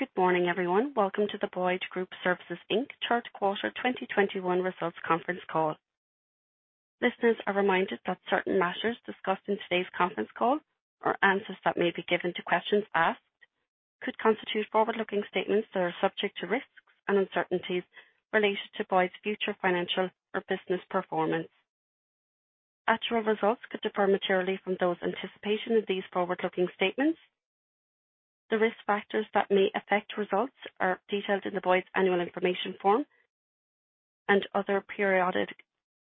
Good morning, everyone. Welcome to the Boyd Group Services Inc. Q3 2021 results conference call. Listeners are reminded that certain matters discussed in today's conference call or answers that may be given to questions asked could constitute forward-looking statements that are subject to risks and uncertainties related to Boyd's future financial or business performance. Actual results could differ materially from those anticipated in these forward-looking statements. The risk factors that may affect results are detailed in Boyd's Annual Information Form and other periodic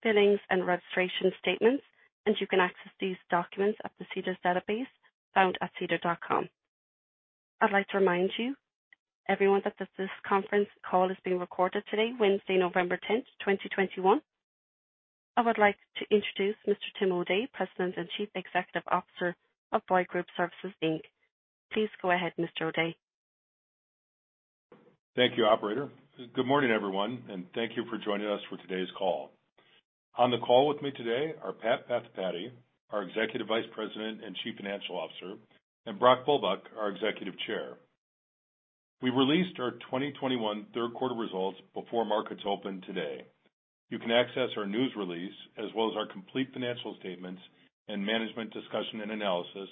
filings and registration statements, and you can access these documents at the SEDAR database found at sedar.com. I'd like to remind you, everyone, that this conference call is being recorded today, Wednesday, November 10, 2021. I would like to introduce Mr. Tim O'Day, President and Chief Executive Officer of Boyd Group Services Inc. Please go ahead, Mr. O'Day. Thank you, operator. Good morning, everyone, and thank you for joining us for today's call. On the call with me today are Pat Pathipati, our Executive Vice President and Chief Financial Officer, and Brock Bulbuck, our Executive Chair. We released our 2021 Q3 results before markets opened today. You can access our news release as well as our complete financial statements and management discussion and analysis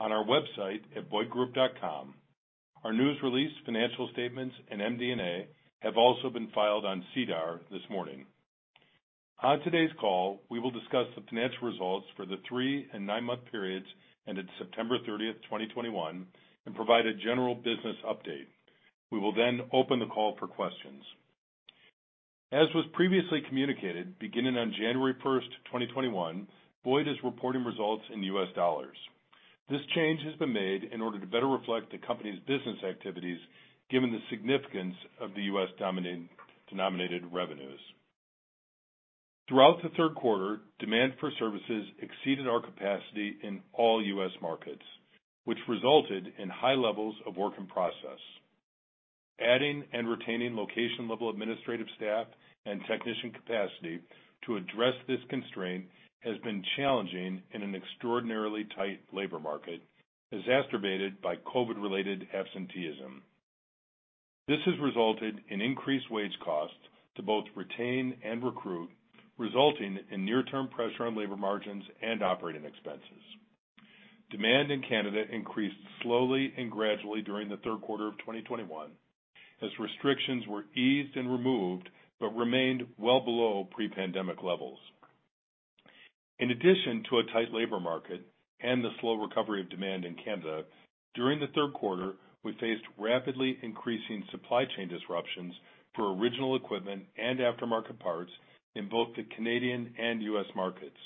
on our website at boydgroup.com. Our news release, financial statements, and MD&A have also been filed on SEDAR this morning. On today's call, we will discuss the financial results for the three- and nine-month periods ended September 30, 2021, and provide a general business update. We will then open the call for questions. As was previously communicated, beginning on January 1, 2021, Boyd is reporting results in US dollars. This change has been made in order to better reflect the company's business activities, given the significance of the U.S. denominated revenues. Throughout the Q3, demand for services exceeded our capacity in all U.S. markets, which resulted in high levels of work in process. Adding and retaining location-level administrative staff and technician capacity to address this constraint has been challenging in an extraordinarily tight labor market, exacerbated by COVID-related absenteeism. This has resulted in increased wage costs to both retain and recruit, resulting in near-term pressure on labor margins and operating expenses. Demand in Canada increased slowly and gradually during the Q3 of 2021 as restrictions were eased and removed, but remained well below pre-pandemic levels. In addition to a tight labor market and the slow recovery of demand in Canada, during the Q3, we faced rapidly increasing supply chain disruptions for original equipment and aftermarket parts in both the Canadian and U.S. markets,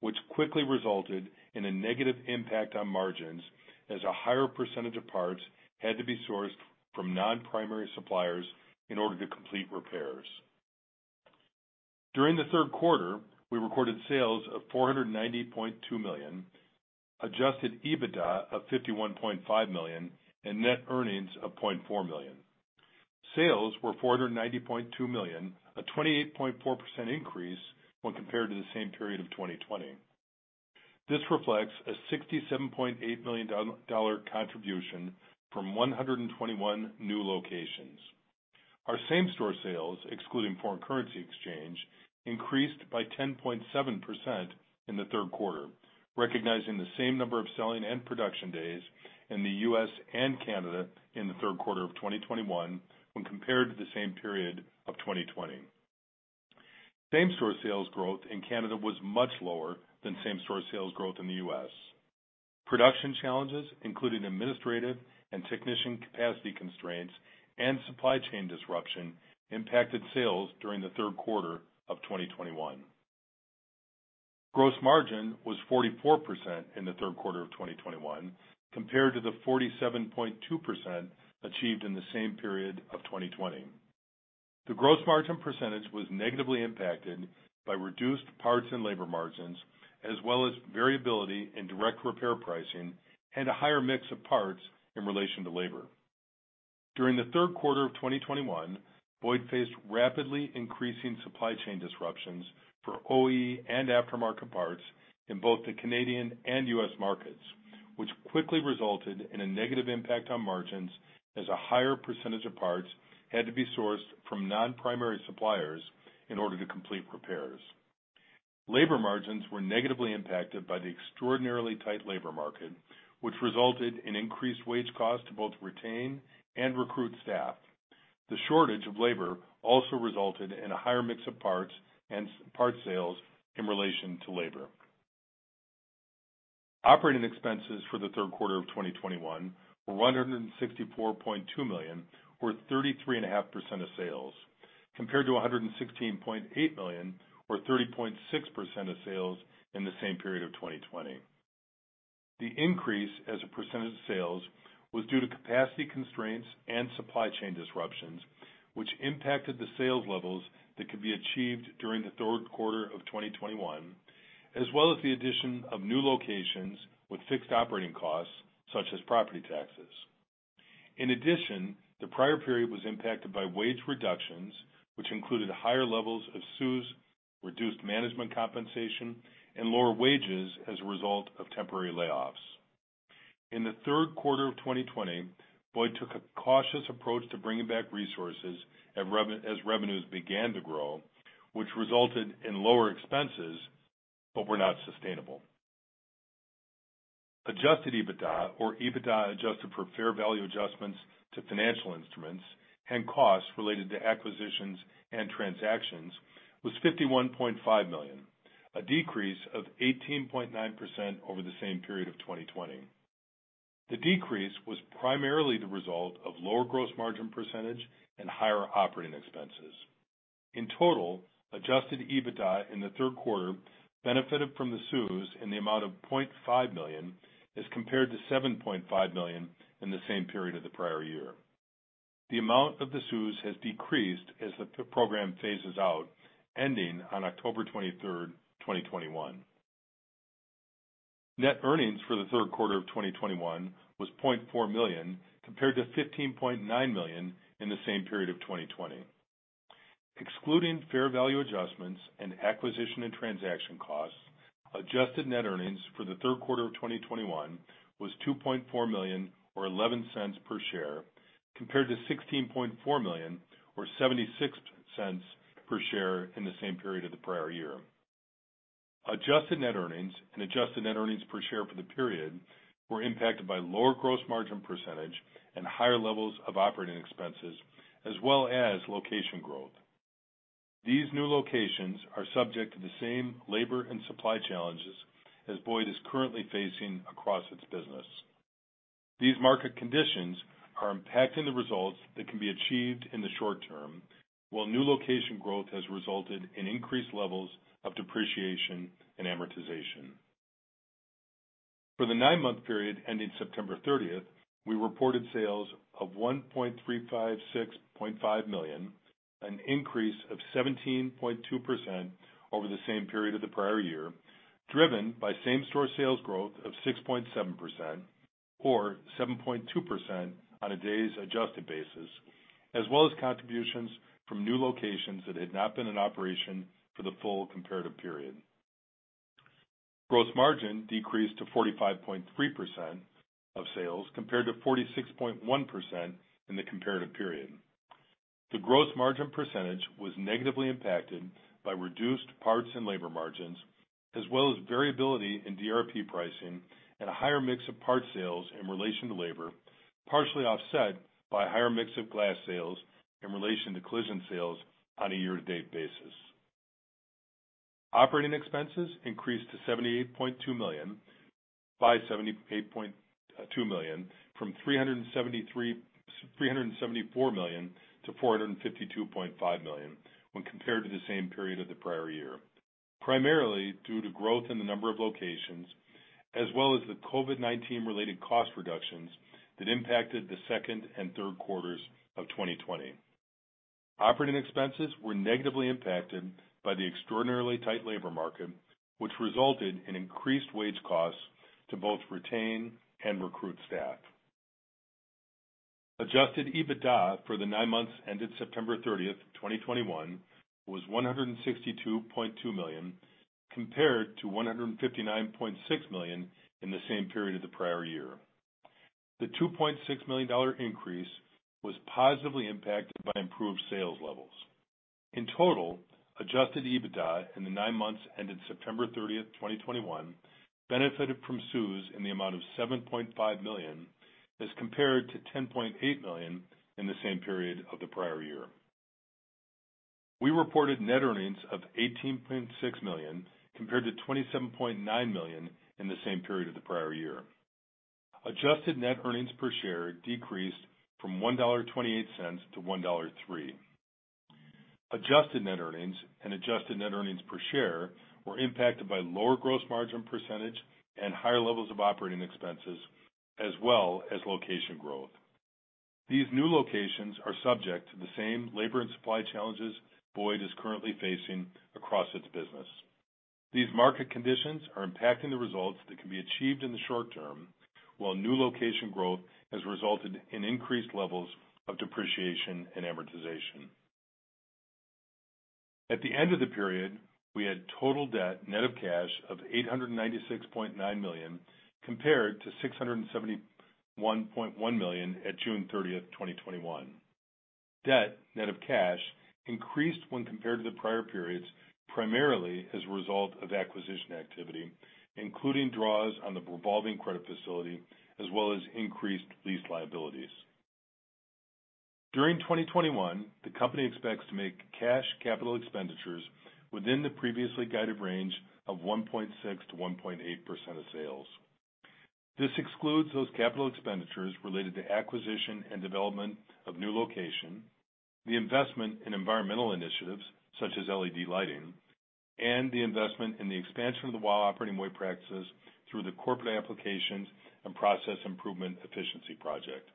which quickly resulted in a negative impact on margins as a higher percentage of parts had to be sourced from non-primary suppliers in order to complete repairs. During the Q3, we recorded sales of $490.2 million, Adjusted EBITDA of $51.5 million, and net earnings of $0.4 million. Sales were $490.2 million, a 28.4% increase when compared to the same period of 2020. This reflects a $67.8 million dollar contribution from 121 new locations. Our same-store sales, excluding foreign currency exchange, increased by 10.7% in the Q3, recognizing the same number of selling and production days in the U.S. and Canada in the Q3 of 2021 when compared to the same period of 2020. Same-store sales growth in Canada was much lower than same-store sales growth in the U.S. Production challenges, including administrative and technician capacity constraints and supply chain disruption, impacted sales during the Q3 of 2021. Gross margin was 44% in the Q3 of 2021 compared to the 47.2% achieved in the same period of 2020. The gross margin percentage was negatively impacted by reduced parts and labor margins, as well as variability in direct repair pricing and a higher mix of parts in relation to labor. During the Q3 of 2021, Boyd faced rapidly increasing supply chain disruptions for OE and aftermarket parts in both the Canadian and U.S. markets, which quickly resulted in a negative impact on margins as a higher percentage of parts had to be sourced from non-primary suppliers in order to complete repairs. Labor margins were negatively impacted by the extraordinarily tight labor market, which resulted in increased wage costs to both retain and recruit staff. The shortage of labor also resulted in a higher mix of parts and parts sales in relation to labor. Operating expenses for the Q3 of 2021 were 164.2 million, or 33.5% of sales, compared to 116.8 million or 30.6% of sales in the same period of 2020. The increase as a percentage of sales was due to capacity constraints and supply chain disruptions, which impacted the sales levels that could be achieved during the Q3 of 2021, as well as the addition of new locations with fixed operating costs such as property taxes. In addition, the prior period was impacted by wage reductions, which included higher levels of CEWS, reduced management compensation and lower wages as a result of temporary layoffs. In the Q3 of 2020, Boyd took a cautious approach to bringing back resources as revenues began to grow, which resulted in lower expenses but were not sustainable. Adjusted EBITDA, or EBITDA adjusted for fair value adjustments to financial instruments and costs related to acquisitions and transactions, was 51.5 million, a decrease of 18.9% over the same period of 2020. The decrease was primarily the result of lower gross margin percentage and higher operating expenses. In total, adjusted EBITDA in the Q3 benefited from the CEWS in the amount of 0.5 million as compared to 7.5 million in the same period of the prior year. The amount of the CEWS has decreased as the program phases out, ending on October 23, 2021. Net earnings for the Q3 of 2021 was 0.4 million compared to 15.9 million in the same period of 2020. Excluding fair value adjustments and acquisition and transaction costs, adjusted net earnings for the Q3 of 2021 was 2.4 million or 0.11 per share, compared to 16.4 million or 0.76 per share in the same period of the prior year. Adjusted net earnings and adjusted net earnings per share for the period were impacted by lower gross margin percentage and higher levels of operating expenses as well as location growth. These new locations are subject to the same labor and supply challenges as Boyd is currently facing across its business. These market conditions are impacting the results that can be achieved in the short term, while new location growth has resulted in increased levels of depreciation and amortization. For the nine-month period ending September 30, we reported sales of $1,356.5 million, an increase of 17.2% over the same period of the prior year, driven by same-store sales growth of 6.7% or 7.2% on a days-adjusted basis, as well as contributions from new locations that had not been in operation for the full comparative period. Gross margin decreased to 45.3% of sales compared to 46.1% in the comparative period. The gross margin percentage was negatively impacted by reduced parts and labor margins, as well as variability in DRP pricing and a higher mix of parts sales in relation to labor, partially offset by a higher mix of glass sales in relation to collision sales on a year-to-date basis. Operating expenses increased to 78.2 million, by 78.2 million from 374 million to 452.5 million when compared to the same period of the prior year, primarily due to growth in the number of locations as well as the COVID-19 related cost reductions that impacted the second and Q3s of 2020. Operating expenses were negatively impacted by the extraordinarily tight labor market, which resulted in increased wage costs to both retain and recruit staff. Adjusted EBITDA for the nine months ended September 30, 2021 was 162.2 million, compared to 159.6 million in the same period of the prior year. The 2.6 million dollar increase was positively impacted by improved sales levels. In total, Adjusted EBITDA in the nine months ended September 30, 2021, benefited from CEWS in the amount of 7.5 million, as compared to 10.8 million in the same period of the prior year. We reported net earnings of 18.6 million, compared to 27.9 million in the same period of the prior year. Adjusted net earnings per share decreased from $1.28 to $1.03. Adjusted net earnings and adjusted net earnings per share were impacted by lower gross margin percentage and higher levels of operating expenses as well as location growth. These new locations are subject to the same labor and supply challenges Boyd is currently facing across its business. These market conditions are impacting the results that can be achieved in the short term, while new location growth has resulted in increased levels of depreciation and amortization. At the end of the period, we had total debt net of cash of $896.9 million compared to $671.1 million at June 30, 2021. Debt net of cash increased when compared to the prior periods primarily as a result of acquisition activity, including draws on the revolving credit facility as well as increased lease liabilities. During 2021, the company expects to make cash capital expenditures within the previously guided range of 1.6%-1.8% of sales. This excludes those capital expenditures related to acquisition and development of new location, the investment in environmental initiatives such as LED lighting, and the investment in the expansion of the WOW Operating Way practices through the corporate applications and process improvement efficiency project.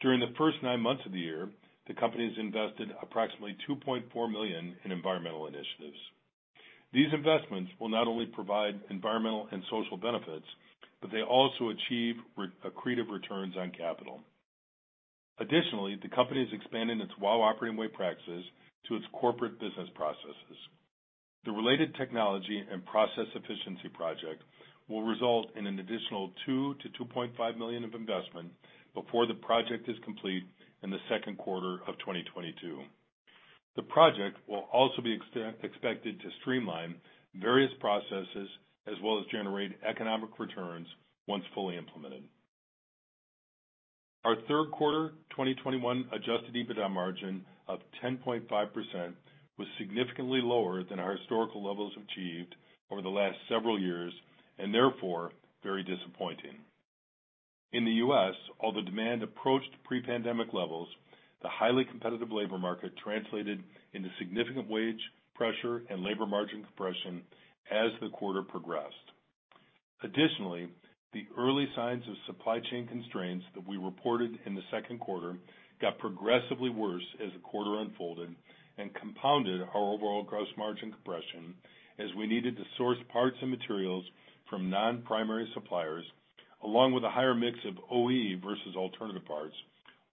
During the first nine months of the year, the company's invested approximately $2.4 million in environmental initiatives. These investments will not only provide environmental and social benefits, but they also achieve accretive returns on capital. Additionally, the company is expanding its WOW Operating Way practices to its corporate business processes. The related technology and process efficiency project will result in an additional $2-$2.5 million of investment before the project is complete in Q2 2022. The project will also be expected to streamline various processes as well as generate economic returns once fully implemented. Our Q3 2021 Adjusted EBITDA margin of 10.5% was significantly lower than our historical levels achieved over the last several years and therefore very disappointing. In the U.S., although demand approached pre-pandemic levels, the highly competitive labor market translated into significant wage pressure and labor margin compression as the quarter progressed. Additionally, the early signs of supply chain constraints that we reported in the Q2 got progressively worse as the quarter unfolded and compounded our overall gross margin compression as we needed to source parts and materials from non-primary suppliers, along with a higher mix of OE versus alternative parts,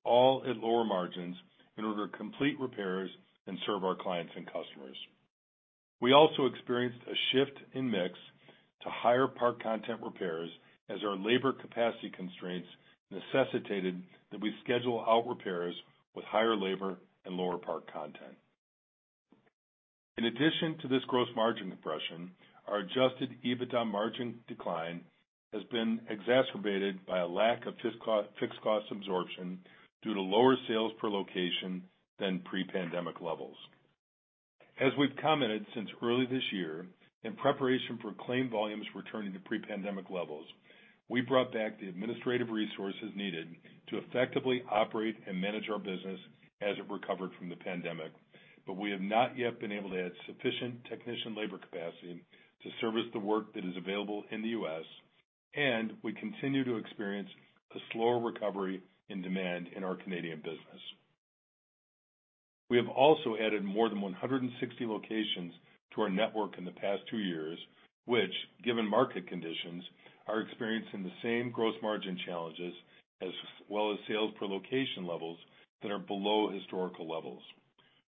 all at lower margins in order to complete repairs and serve our clients and customers. We also experienced a shift in mix to higher part content repairs as our labor capacity constraints necessitated that we schedule out repairs with higher labor and lower part content. In addition to this gross margin compression, our Adjusted EBITDA margin decline has been exacerbated by a lack of fixed-cost absorption due to lower sales per location than pre-pandemic levels. As we've commented since early this year, in preparation for claim volumes returning to pre-pandemic levels, we brought back the administrative resources needed to effectively operate and manage our business as it recovered from the pandemic. We have not yet been able to add sufficient technician labor capacity to service the work that is available in the U.S., and we continue to experience a slower recovery in demand in our Canadian business. We have also added more than 160 locations to our network in the past two years, which given market conditions, are experiencing the same gross margin challenges as well as sales per location levels that are below historical levels.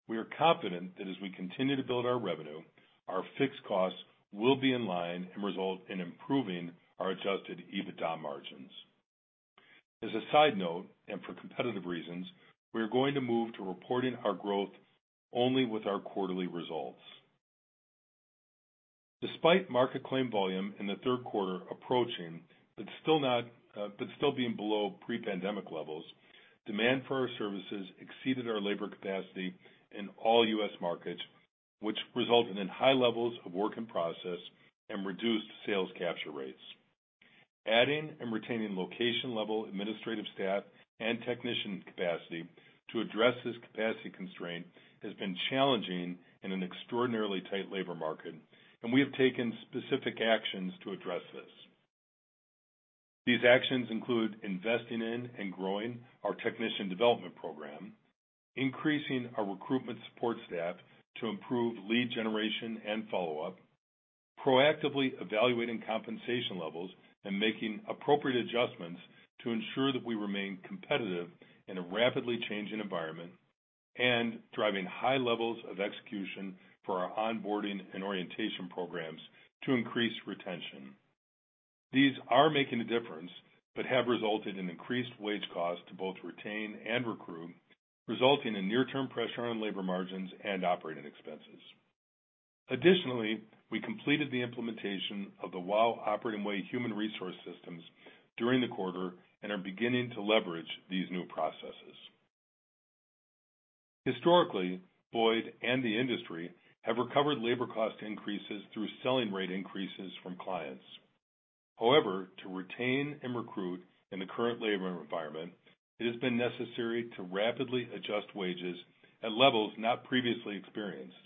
We are confident that as we continue to build our revenue, our fixed costs will be in line and result in improving our Adjusted EBITDA margins. As a side note, and for competitive reasons, we are going to move to reporting our growth only with our quarterly results. Despite market claim volume in the Q3 approaching, but still not, but still being below pre-pandemic levels, demand for our services exceeded our labor capacity in all U.S. markets, which resulted in high levels of work in process and reduced sales capture rates. Adding and retaining location-level administrative staff and technician capacity to address this capacity constraint has been challenging in an extraordinarily tight labor market, and we have taken specific actions to address this. These actions include investing in and growing our Technician Development Program, increasing our recruitment support staff to improve lead generation and follow-up, proactively evaluating compensation levels and making appropriate adjustments to ensure that we remain competitive in a rapidly changing environment, and driving high levels of execution for our onboarding and orientation programs to increase retention. These are making a difference, but have resulted in increased wage costs to both retain and recruit, resulting in near-term pressure on labor margins and operating expenses. Additionally, we completed the implementation of the WOW Operating Way human resource systems during the quarter and are beginning to leverage these new processes. Historically, Boyd and the industry have recovered labor cost increases through selling rate increases from clients. However, to retain and recruit in the current labor environment, it has been necessary to rapidly adjust wages at levels not previously experienced.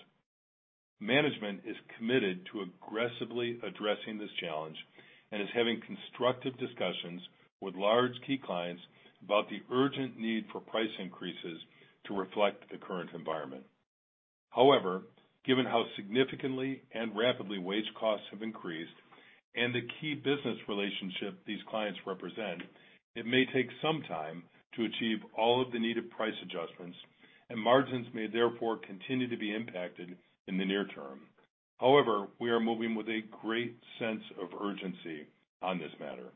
Management is committed to aggressively addressing this challenge and is having constructive discussions with large key clients about the urgent need for price increases to reflect the current environment. However, given how significantly and rapidly wage costs have increased and the key business relationship these clients represent, it may take some time to achieve all of the needed price adjustments, and margins may therefore continue to be impacted in the near term. However, we are moving with a great sense of urgency on this matter.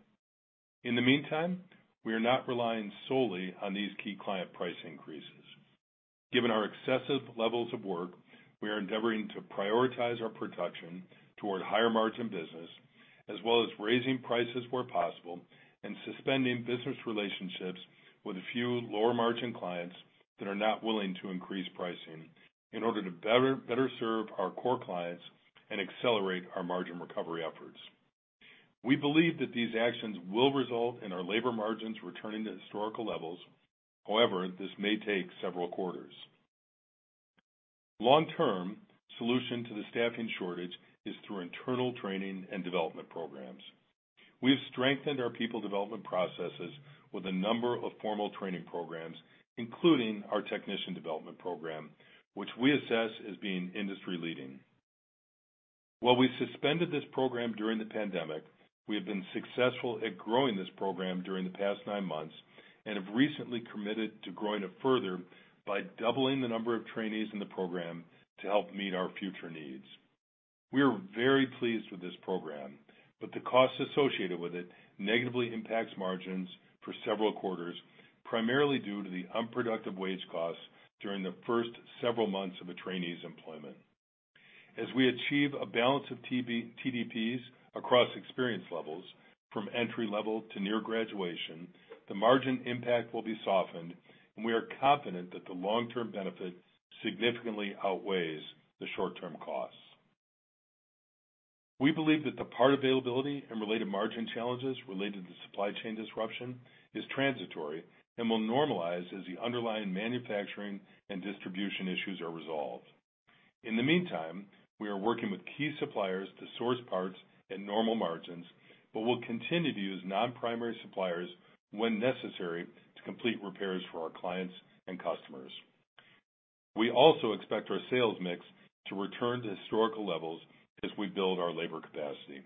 In the meantime, we are not relying solely on these key client price increases. Given our excessive levels of work, we are endeavoring to prioritize our production toward higher margin business, as well as raising prices where possible and suspending business relationships with a few lower margin clients that are not willing to increase pricing in order to better serve our core clients and accelerate our margin recovery efforts. We believe that these actions will result in our labor margins returning to historical levels. However, this may take several quarters. The long-term solution to the staffing shortage is through internal training and development programs. We have strengthened our people development processes with a number of formal training programs, including our Technician Development Program, which we assess as being industry-leading. While we suspended this program during the pandemic, we have been successful at growing this program during the past nine months and have recently committed to growing it further by doubling the number of trainees in the program to help meet our future needs. We are very pleased with this program, but the costs associated with it negatively impacts margins for several quarters, primarily due to the unproductive wage costs during the first several months of a trainee's employment. As we achieve a balance of TDPs across experience levels from entry-level to near graduation, the margin impact will be softened, and we are confident that the long-term benefit significantly outweighs the short-term costs. We believe that the part availability and related margin challenges related to supply chain disruption is transitory and will normalize as the underlying manufacturing and distribution issues are resolved. In the meantime, we are working with key suppliers to source parts at normal margins, but we'll continue to use non-primary suppliers when necessary to complete repairs for our clients and customers. We also expect our sales mix to return to historical levels as we build our labor capacity.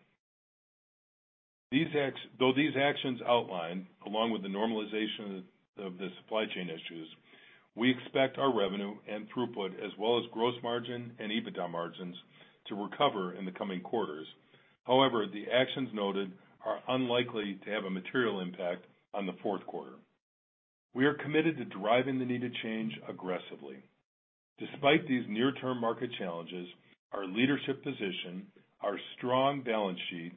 Though these actions outlined, along with the normalization of the supply chain issues, we expect our revenue and throughput as well as gross margin and EBITDA margins to recover in the coming quarters. However, the actions noted are unlikely to have a material impact on the Q4. We are committed to driving the needed change aggressively. Despite these near-term market challenges, our leadership position, our strong balance sheet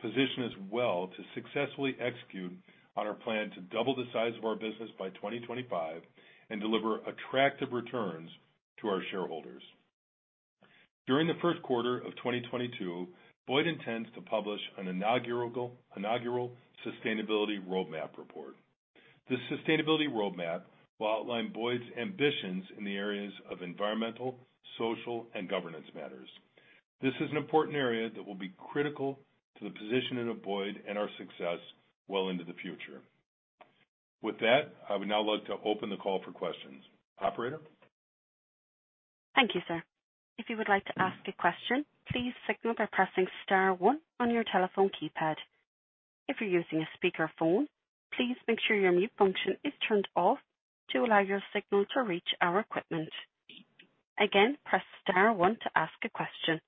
position us well to successfully execute on our plan to double the size of our business by 2025 and deliver attractive returns to our shareholders. During the first quarter of 2022, Boyd intends to publish an inaugural ESG Report. This sustainability roadmap will outline Boyd's ambitions in the areas of environmental, social, and governance matters. This is an important area that will be critical to the positioning of Boyd and our success well into the future. With that, I would now like to open the call for questions. Operator? Thank you, sir. If you would like to ask a question, please signal by pressing star one on your telephone keypad. If you're using a speakerphone, please make sure your mute function is turned off to allow your signal to reach our equipment. Again, press star one to ask a question.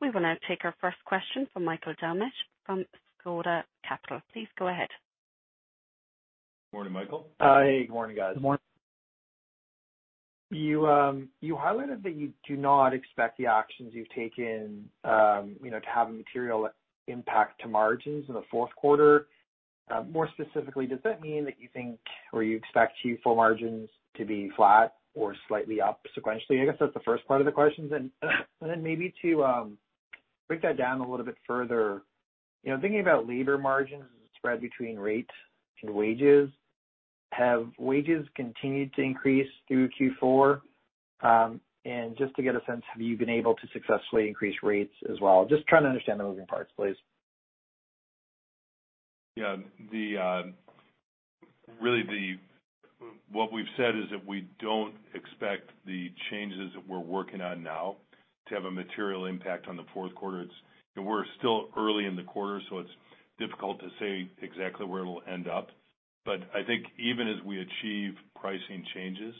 We will now take our first question from Michael Doumet from Scotia Capital. Please go ahead. Morning, Michael. Hey, good morning, guys. Good morning. You highlighted that you do not expect the actions you've taken, you know, to have a material impact to margins in the Q4. More specifically, does that mean that you think or you expect Q4 margins to be flat or slightly up sequentially? I guess that's the first part of the question. Then maybe to break that down a little bit further. You know, thinking about labor margins as a spread between rates and wages, have wages continued to increase through Q4? And just to get a sense, have you been able to successfully increase rates as well? Just trying to understand the moving parts, please. Yeah. What we've said is that we don't expect the changes that we're working on now to have a material impact on the Q4. We're still early in the quarter, so it's difficult to say exactly where it'll end up. I think even as we achieve pricing changes,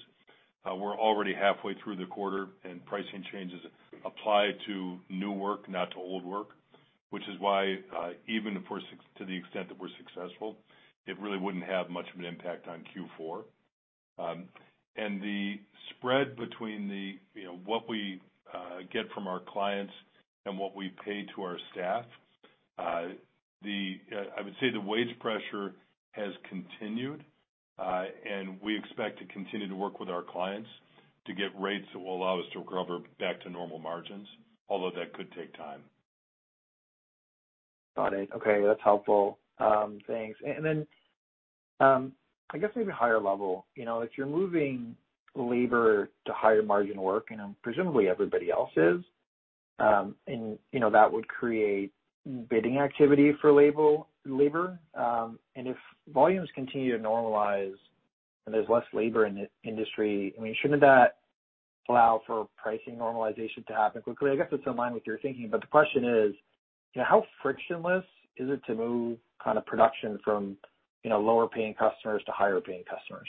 we're already halfway through the quarter, and pricing changes apply to new work, not to old work, which is why, to the extent that we're successful, it really wouldn't have much of an impact on Q4. The spread between what we get from our clients and what we pay to our staff, you know. I would say the wage pressure has continued, and we expect to continue to work with our clients to get rates that will allow us to recover back to normal margins, although that could take time. Got it. Okay, that's helpful. Thanks. Then, I guess maybe higher level, you know, if you're moving labor to higher margin work, and presumably everybody else is, and, you know, that would create bidding activity for labor. If volumes continue to normalize and there's less labor in the industry, I mean, shouldn't that allow for pricing normalization to happen quickly? I guess it's in line with your thinking, but the question is, you know, how frictionless is it to move kinda production from, you know, lower-paying customers to higher-paying customers?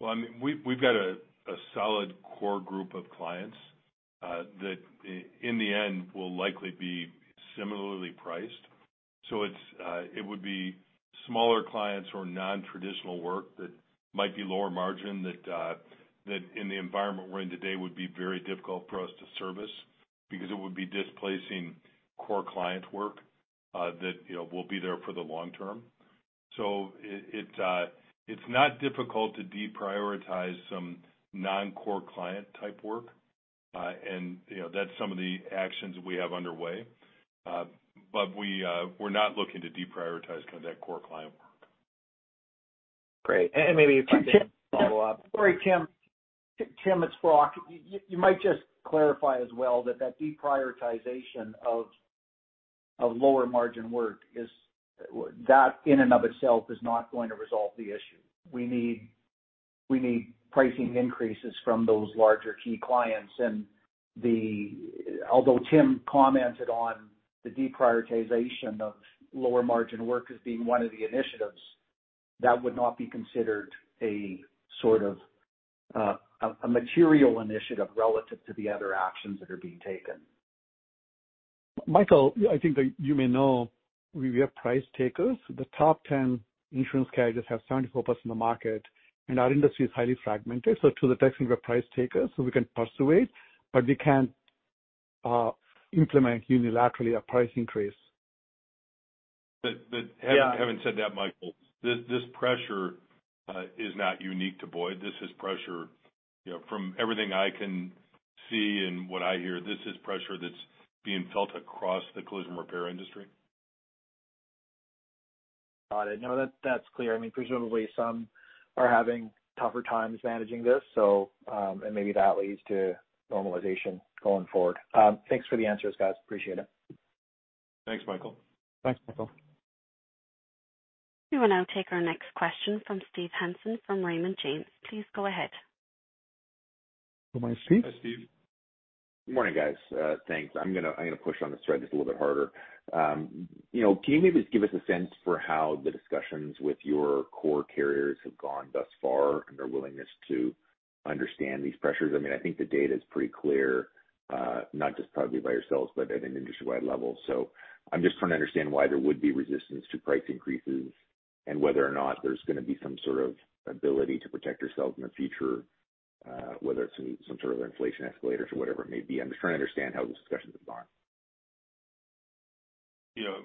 Well, I mean, we've got a solid core group of clients that in the end will likely be similarly priced. It would be smaller clients or non-traditional work that might be lower margin that in the environment we're in today would be very difficult for us to service because it would be displacing core client work that you know will be there for the long term. It's not difficult to deprioritize some non-core client type work. You know, that's some of the actions we have underway. We're not looking to deprioritize kind of that core client work. Great. Maybe if I can Sorry, Tim. Follow up. Sorry, Tim. Tim, it's Brock. You might just clarify as well that deprioritization of- That in and of itself is not going to resolve the issue. We need pricing increases from those larger key clients. Although Tim commented on the deprioritization of lower margin work as being one of the initiatives, that would not be considered a sort of, a material initiative relative to the other actions that are being taken. Michael, I think that you may know we are price takers. The top ten insurance carriers have 74% of the market, and our industry is highly fragmented. To the extent we are price takers, we can persuade, but we can't implement unilaterally a price increase. But, but- Yeah. Having said that, Michael, this pressure is not unique to Boyd. This is pressure, you know, from everything I can see and what I hear, this is pressure that's being felt across the collision repair industry. Got it. No, that's clear. I mean, presumably some are having tougher times managing this, so, and maybe that leads to normalization going forward. Thanks for the answers, guys. Appreciate it. Thanks, Michael. Thanks, Michael. We will now take our next question from Steve Hansen from Raymond James. Please go ahead. Go ahead, Steve. Hi, Steve. Good morning, guys. Thanks. I'm gonna push on this thread just a little bit harder. You know, can you maybe just give us a sense for how the discussions with your core carriers have gone thus far and their willingness to understand these pressures? I mean, I think the data is pretty clear, not just probably by yourselves, but at an industry-wide level. I'm just trying to understand why there would be resistance to price increases and whether or not there's gonna be some sort of ability to protect yourselves in the future, whether it's some sort of inflation escalators or whatever it may be. I'm just trying to understand how the discussions have gone. You know,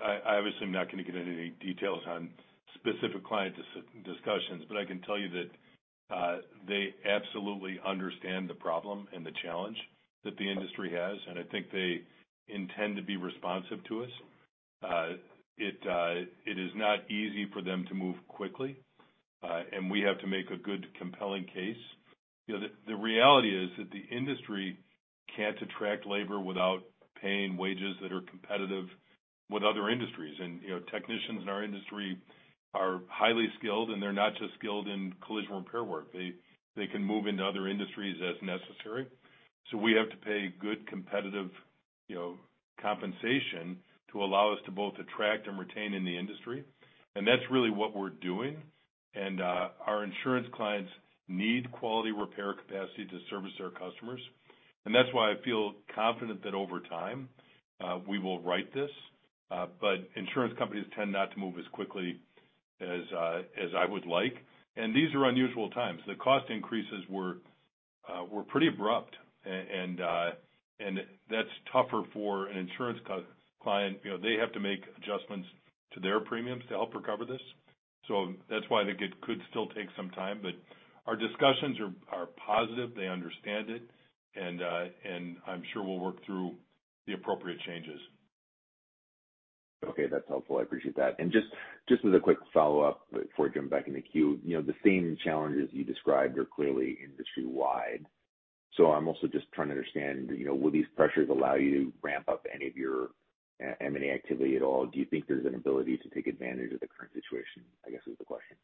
I obviously am not going to get into any details on specific client discussions, but I can tell you that they absolutely understand the problem and the challenge that the industry has, and I think they intend to be responsive to us. It is not easy for them to move quickly, and we have to make a good, compelling case. You know, the reality is that the industry can't attract labor without paying wages that are competitive with other industries. You know, technicians in our industry are highly skilled, and they're not just skilled in collision repair work. They can move into other industries as necessary. We have to pay good competitive, you know, compensation to allow us to both attract and retain in the industry. That's really what we're doing. Our insurance clients need quality repair capacity to service their customers. That's why I feel confident that over time, we will right this. Insurance companies tend not to move as quickly as I would like. These are unusual times. The cost increases were pretty abrupt. That's tougher for an insurance client. You know, they have to make adjustments to their premiums to help recover this. That's why I think it could still take some time. Our discussions are positive. They understand it, and I'm sure we'll work through the appropriate changes. Okay. That's helpful. I appreciate that. Just as a quick follow-up before I jump back in the queue, you know, the same challenges you described are clearly industry-wide. I'm also just trying to understand, you know, will these pressures allow you to ramp up any of your M&A activity at all? Do you think there's an ability to take advantage of the current situation, I guess is the question.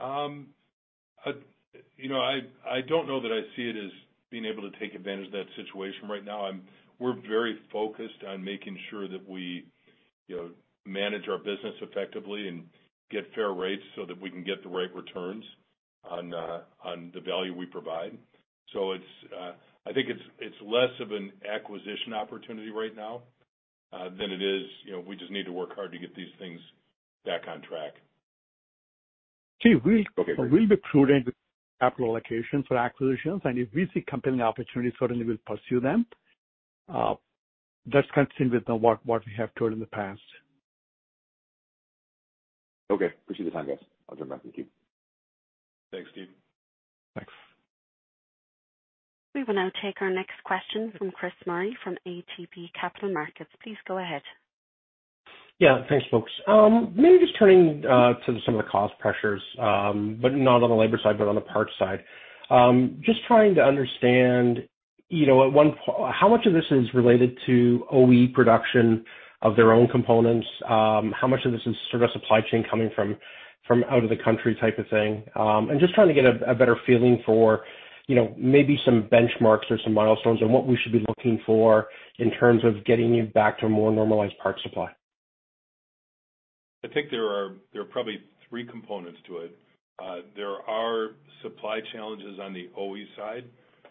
I don't know that I see it as being able to take advantage of that situation right now. We're very focused on making sure that we, you know, manage our business effectively and get fair rates so that we can get the right returns on the value we provide. It's less of an acquisition opportunity right now than it is, you know, we just need to work hard to get these things back on track. Steve, Okay. We'll be prudent with capital allocation for acquisitions, and if we see compelling opportunities, certainly we'll pursue them. That's consistent with what we have told in the past. Okay. Appreciate the time, guys. I'll jump back in the queue. Thanks, Steve. Thanks. We will now take our next question from Chris Murray from ATB Capital Markets. Please go ahead. Yeah. Thanks, folks. Maybe just turning to some of the cost pressures, but not on the labor side, but on the parts side. Just trying to understand, you know, at one point how much of this is related to OE production of their own components? How much of this is sort of supply chain coming from out of the country type of thing? And just trying to get a better feeling for, you know, maybe some benchmarks or some milestones and what we should be looking for in terms of getting you back to a more normalized parts supply. I think there are probably three components to it. There are supply challenges on the OE side,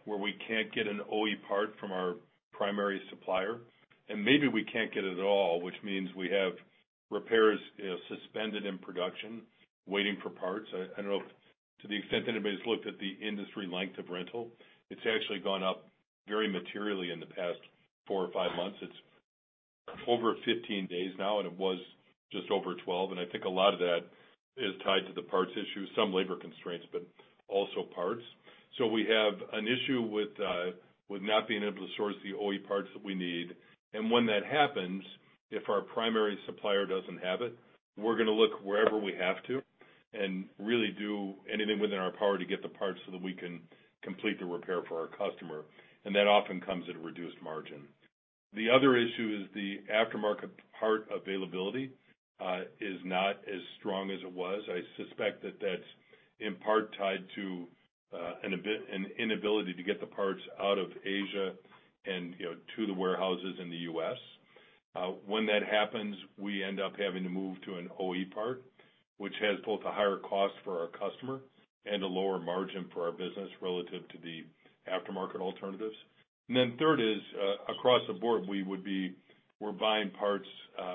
where we can't get an OE part from our primary supplier, and maybe we can't get it at all, which means we have repairs, you know, suspended in production, waiting for parts. I don't know to the extent that anybody's looked at the industry length of rental. It's actually gone up very materially in the past four or five months. It's over 15 days now, and it was just over 12. I think a lot of that is tied to the parts issue, some labor constraints, but also parts. We have an issue with not being able to source the OE parts that we need. When that happens, if our primary supplier doesn't have it, we're gonna look wherever we have to and really do anything within our power to get the parts so that we can complete the repair for our customer. That often comes at a reduced margin. The other issue is the aftermarket part availability is not as strong as it was. I suspect that that's in part tied to an inability to get the parts out of Asia and, you know, to the warehouses in the U.S. When that happens, we end up having to move to an OE part, which has both a higher cost for our customer and a lower margin for our business relative to the aftermarket alternatives. Third is, across the board, we're buying parts,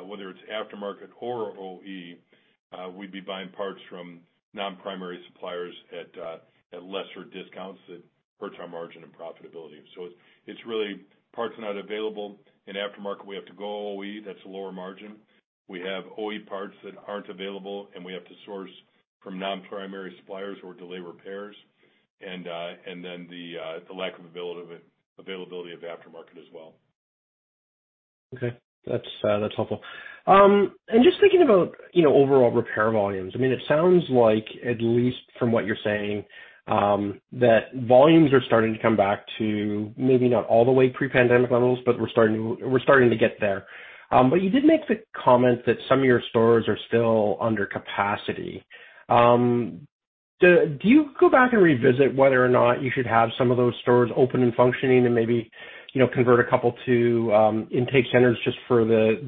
whether it's aftermarket or OE, we'd be buying parts from non-primary suppliers at lesser discounts that hurts our margin and profitability. It's really parts are not available. In aftermarket, we have to go OE, that's a lower margin. We have OE parts that aren't available, and we have to source from non-primary suppliers or delay repairs. Then the lack of availability of aftermarket as well. Okay. That's helpful. Just thinking about, you know, overall repair volumes. I mean, it sounds like, at least from what you're saying, that volumes are starting to come back to maybe not all the way pre-pandemic levels, but we're starting to get there. But you did make the comment that some of your stores are still under capacity. Do you go back and revisit whether or not you should have some of those stores open and functioning and maybe, you know, convert a couple to intake centers just for the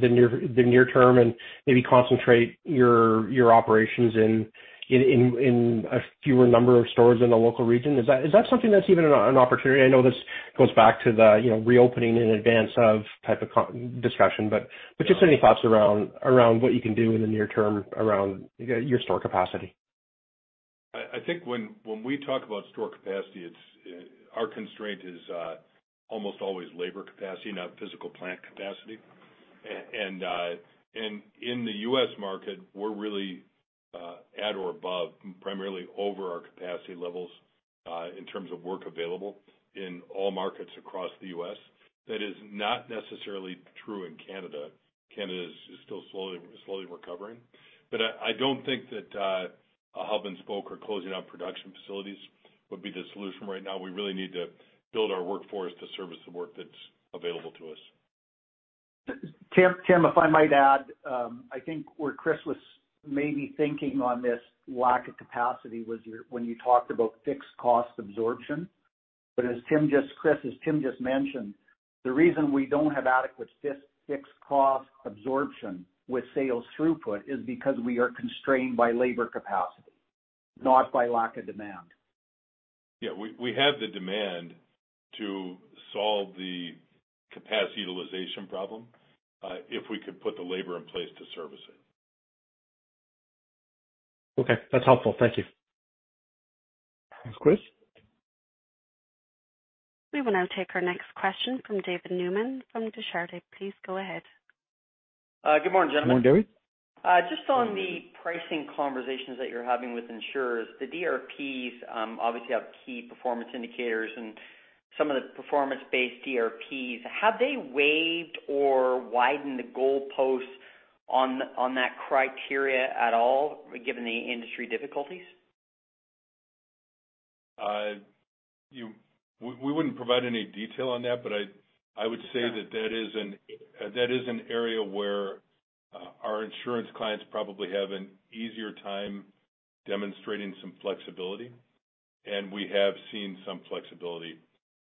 near term and maybe concentrate your operations in a fewer number of stores in the local region? Is that something that's even an opportunity? I know this goes back to the, you know, reopening in advance of type of discussion. Yeah. Just any thoughts around what you can do in the near term around your store capacity. I think when we talk about store capacity, our constraint is almost always labor capacity, not physical plant capacity. In the U.S. market, we're really at or above, primarily over our capacity levels in terms of work available in all markets across the U.S. That is not necessarily true in Canada. Canada is still slowly recovering. I don't think that a hub and spoke or closing down production facilities would be the solution right now. We really need to build our workforce to service the work that's available to us. Tim, if I might add, I think where Chris was maybe thinking on this lack of capacity was when you talked about fixed cost absorption. As Tim just mentioned, the reason we don't have adequate fixed cost absorption with sales throughput is because we are constrained by labor capacity, not by lack of demand. Yeah. We have the demand to solve the capacity utilization problem, if we could put the labor in place to service it. Okay. That's helpful. Thank you. Thanks, Chris. We will now take our next question from David Newman from Desjardins. Please go ahead. Good morning, gentlemen. Good morning, David. Just on the pricing conversations that you're having with insurers, the DRPs obviously have key performance indicators and some of the performance-based DRPs. Have they waived or widened the goalposts on that criteria at all, given the industry difficulties? We wouldn't provide any detail on that, but I would say that is an area where our insurance clients probably have an easier time demonstrating some flexibility, and we have seen some flexibility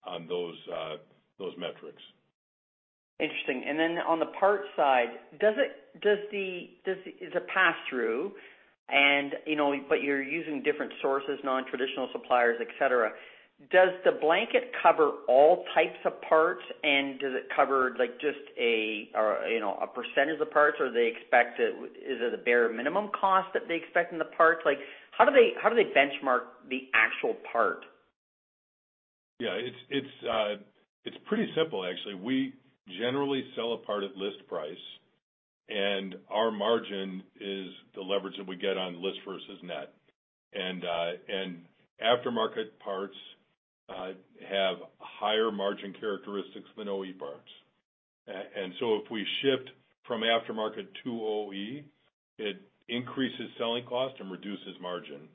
on those metrics. Interesting. On the parts side, is it pass-through? You know, but you're using different sources, non-traditional suppliers, et cetera. Does the blanket cover all types of parts, and does it cover like just a, or, you know, a percentage of parts? Is it a bare minimum cost that they expect in the parts? Like, how do they benchmark the actual part? It's pretty simple, actually. We generally sell a part at list price, and our margin is the leverage that we get on list versus net. Aftermarket parts have higher margin characteristics than OE parts. If we shift from aftermarket to OE, it increases selling cost and reduces margin,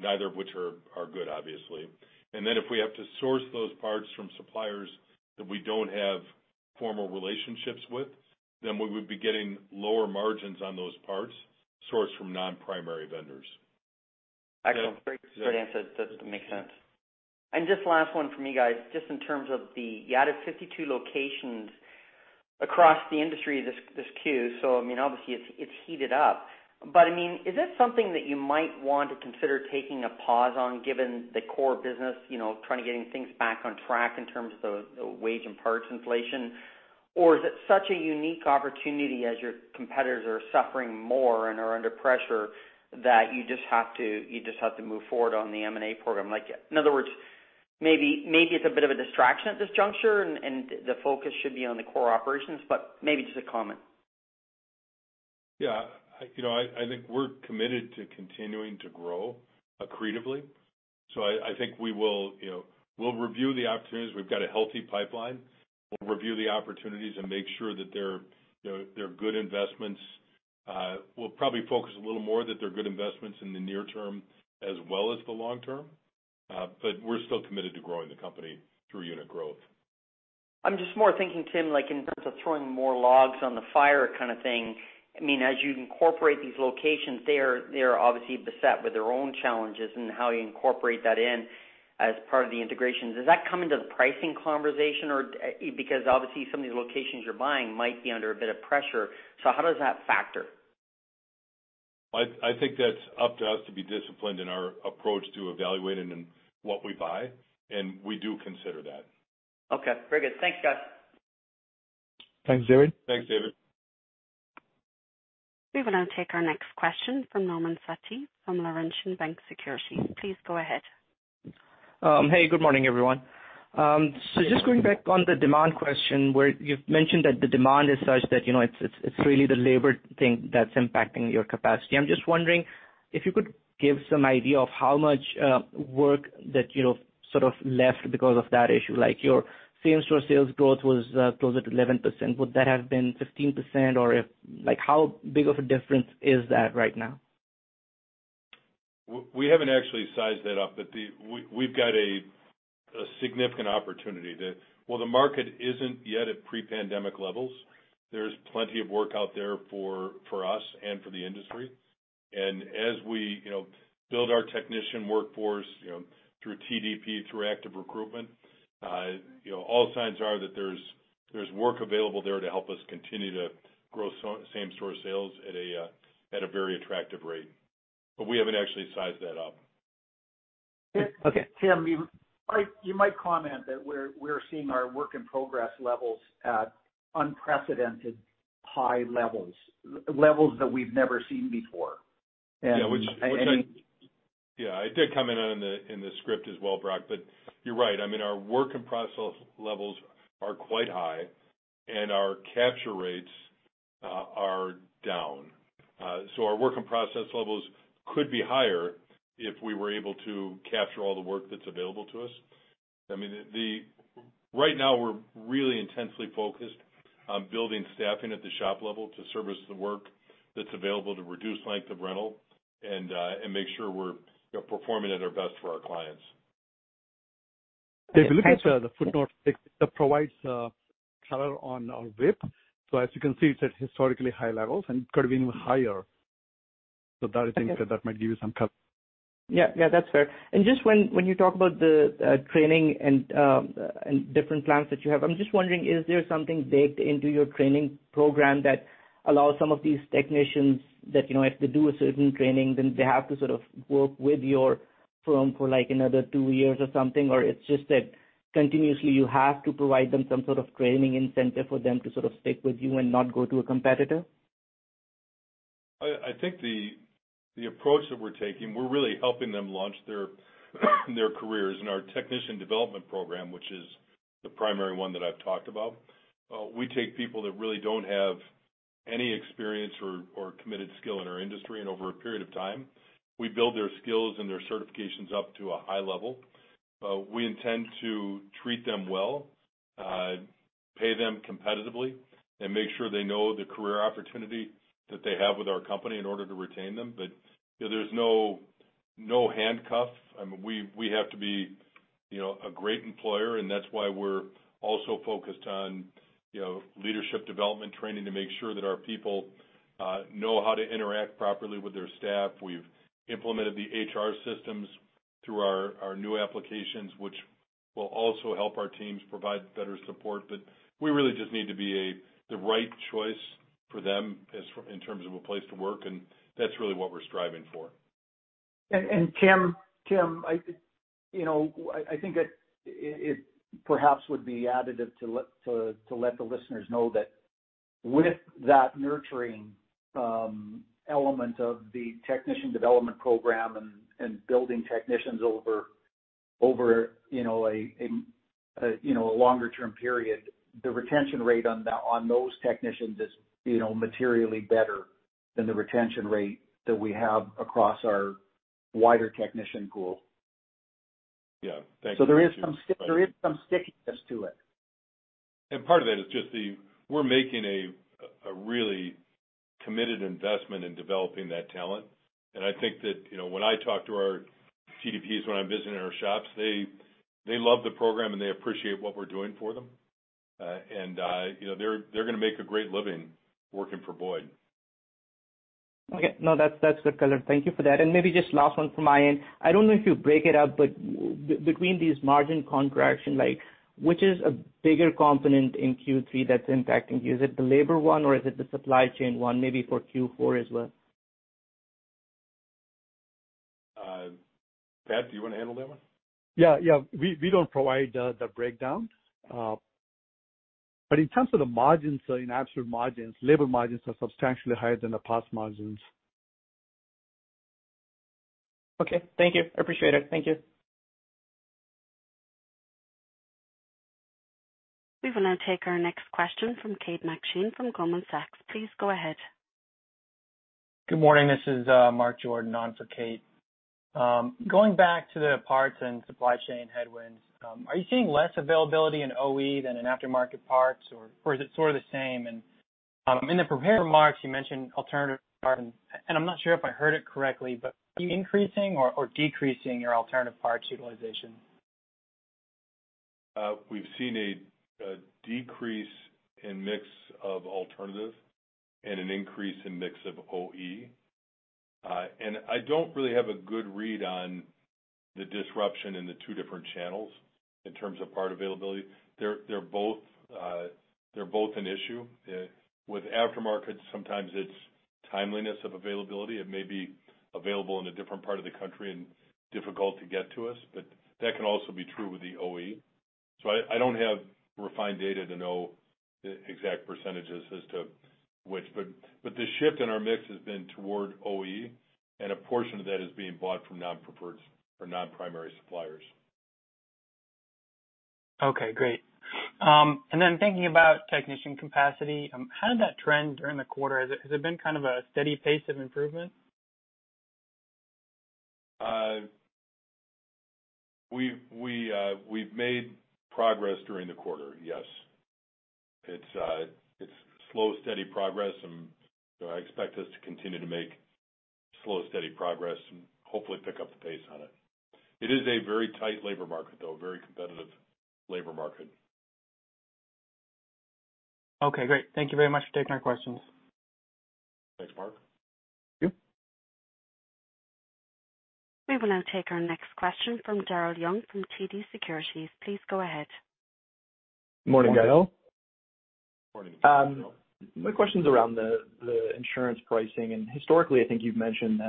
neither of which are good, obviously. If we have to source those parts from suppliers that we don't have formal relationships with, then we would be getting lower margins on those parts sourced from non-primary vendors. Excellent. Great answer. That makes sense. Just last one from me, guys. Just in terms of the you added 52 locations across the industry this Q. So I mean, obviously it's heated up. But I mean, is that something that you might want to consider taking a pause on given the core business, you know, trying to getting things back on track in terms of the wage and parts inflation? Or is it such a unique opportunity as your competitors are suffering more and are under pressure that you just have to move forward on the M&A program? Like, in other words, maybe it's a bit of a distraction at this juncture and the focus should be on the core operations, but maybe just a comment. Yeah, you know, I think we're committed to continuing to grow accretively. I think we will, you know, we'll review the opportunities. We've got a healthy pipeline. We'll review the opportunities and make sure that they're, you know, good investments. We'll probably focus a little more that they're good investments in the near term as well as the long term. We're still committed to growing the company through unit growth. I'm just more thinking, Tim, like in terms of throwing more logs on the fire kinda thing. I mean, as you incorporate these locations, they are obviously beset with their own challenges and how you incorporate that in as part of the integrations. Does that come into the pricing conversation or, because obviously some of these locations you're buying might be under a bit of pressure. So how does that factor? I think that's up to us to be disciplined in our approach to evaluating and what we buy, and we do consider that. Okay. Very good. Thanks, guys. Thanks, David. Thanks, David. We will now take our next question from Sabahat Khan from Laurentian Bank Securities. Please go ahead. Hey, good morning, everyone. Just going back on the demand question, where you've mentioned that the demand is such that, you know, it's really the labor thing that's impacting your capacity. I'm just wondering if you could give some idea of how much work that, you know, sort of left because of that issue. Like your same-store sales growth was closer to 11%. Would that have been 15%? Or like how big of a difference is that right now? We haven't actually sized that up, but we've got a significant opportunity. While the market isn't yet at pre-pandemic levels, there's plenty of work out there for us and for the industry. As we, you know, build our technician workforce, you know, through TDP, through active recruitment, all signs are that there's work available there to help us continue to grow same-store sales at a very attractive rate. But we haven't actually sized that up. Okay. Tim, you might comment that we're seeing our work in progress levels at unprecedented high levels that we've never seen before. Yeah. Which I- And any- Yeah, I did comment on it in the script as well, Brock, but you're right. I mean, our work in process levels are quite high, and our capture rates are down. So our work in process levels could be higher if we were able to capture all the work that's available to us. Right now we're really intensely focused on building staffing at the shop level to service the work that's available to reduce length of rental and make sure we're, you know, performing at our best for our clients. If you look at the footnote, it provides color on our WIP. As you can see, it's at historically high levels and could have been even higher. That I think might give you some color. Yeah. Yeah, that's fair. Just when you talk about the training and different plans that you have, I'm just wondering, is there something baked into your training program that allows some of these technicians that, you know, if they do a certain training, then they have to sort of work with your firm for like another two years or something? It's just that continuously you have to provide them some sort of training incentive for them to sort of stick with you and not go to a competitor? I think the approach that we're taking, we're really helping them launch their careers in our Technician Development Program, which is the primary one that I've talked about. We take people that really don't have any experience or committed skill in our industry, and over a period of time, we build their skills and their certifications up to a high level. We intend to treat them well, pay them competitively, and make sure they know the career opportunity that they have with our company in order to retain them. You know, there's no handcuff. I mean, we have to be a great employer, and that's why we're also focused on leadership development training to make sure that our people know how to interact properly with their staff. We've implemented the HR systems through our new applications, which will also help our teams provide better support. We really just need to be the right choice for them as in terms of a place to work, and that's really what we're striving for. Tim, you know, I think it perhaps would be additive to let the listeners know that with that nurturing element of the Technician Development Program and building technicians over you know a longer term period, the retention rate on those technicians is you know materially better than the retention rate that we have across our wider technician pool. Yeah. Thanks. There is some stickiness to it. Part of that is just we're making a really committed investment in developing that talent. I think that, you know, when I talk to our TDPs when I'm visiting our shops, they love the program and they appreciate what we're doing for them. You know, they're gonna make a great living working for Boyd. Okay. No, that's good color. Thank you for that. Maybe just last one from my end. I don't know if you break it out, but between these margin contraction, like which is a bigger component in Q3 that's impacting you? Is it the labor one or is it the supply chain one maybe for Q4 as well? Pat, do you wanna handle that one? Yeah. We don't provide the breakdown. In terms of the margins, in absolute margins, labor margins are substantially higher than the past margins. Okay. Thank you. I appreciate it. Thank you. We will now take our next question from Kate McShane from Goldman Sachs. Please go ahead. Good morning. This is Mark Jordan on for Kate. Going back to the parts and supply chain headwinds, are you seeing less availability in OE than in aftermarket parts or is it sort of the same? In the prepared remarks you mentioned alternative parts, and I'm not sure if I heard it correctly, but are you increasing or decreasing your alternative parts utilization? We've seen a decrease in mix of alternative and an increase in mix of OE. I don't really have a good read on the disruption in the two different channels in terms of part availability. They're both an issue. With aftermarket, sometimes it's timeliness of availability. It may be available in a different part of the country and difficult to get to us, but that can also be true with the OE. I don't have refined data to know the exact percentages as to which. The shift in our mix has been toward OE, and a portion of that is being bought from non-preferred or non-primary suppliers. Okay, great. Thinking about technician capacity, how did that trend during the quarter? Has it been kind of a steady pace of improvement? We've made progress during the quarter, yes. It's slow, steady progress, and I expect us to continue to make slow, steady progress and hopefully pick up the pace on it. It is a very tight labor market, though, very competitive labor market. Okay, great. Thank you very much for taking our questions. Thanks, Mark. Thank you. We will now take our next question from Daryl Young from TD Securities. Please go ahead. Morning, guys. Morning. My question's around the insurance pricing. Historically, I think you've mentioned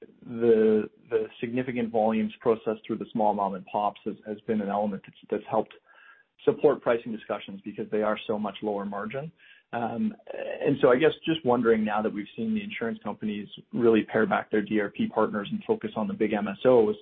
that the significant volumes processed through the small mom and pops has been an element that's helped support pricing discussions because they are so much lower margin. I guess just wondering now that we've seen the insurance companies really pare back their DRP partners and focus on the big MSOs,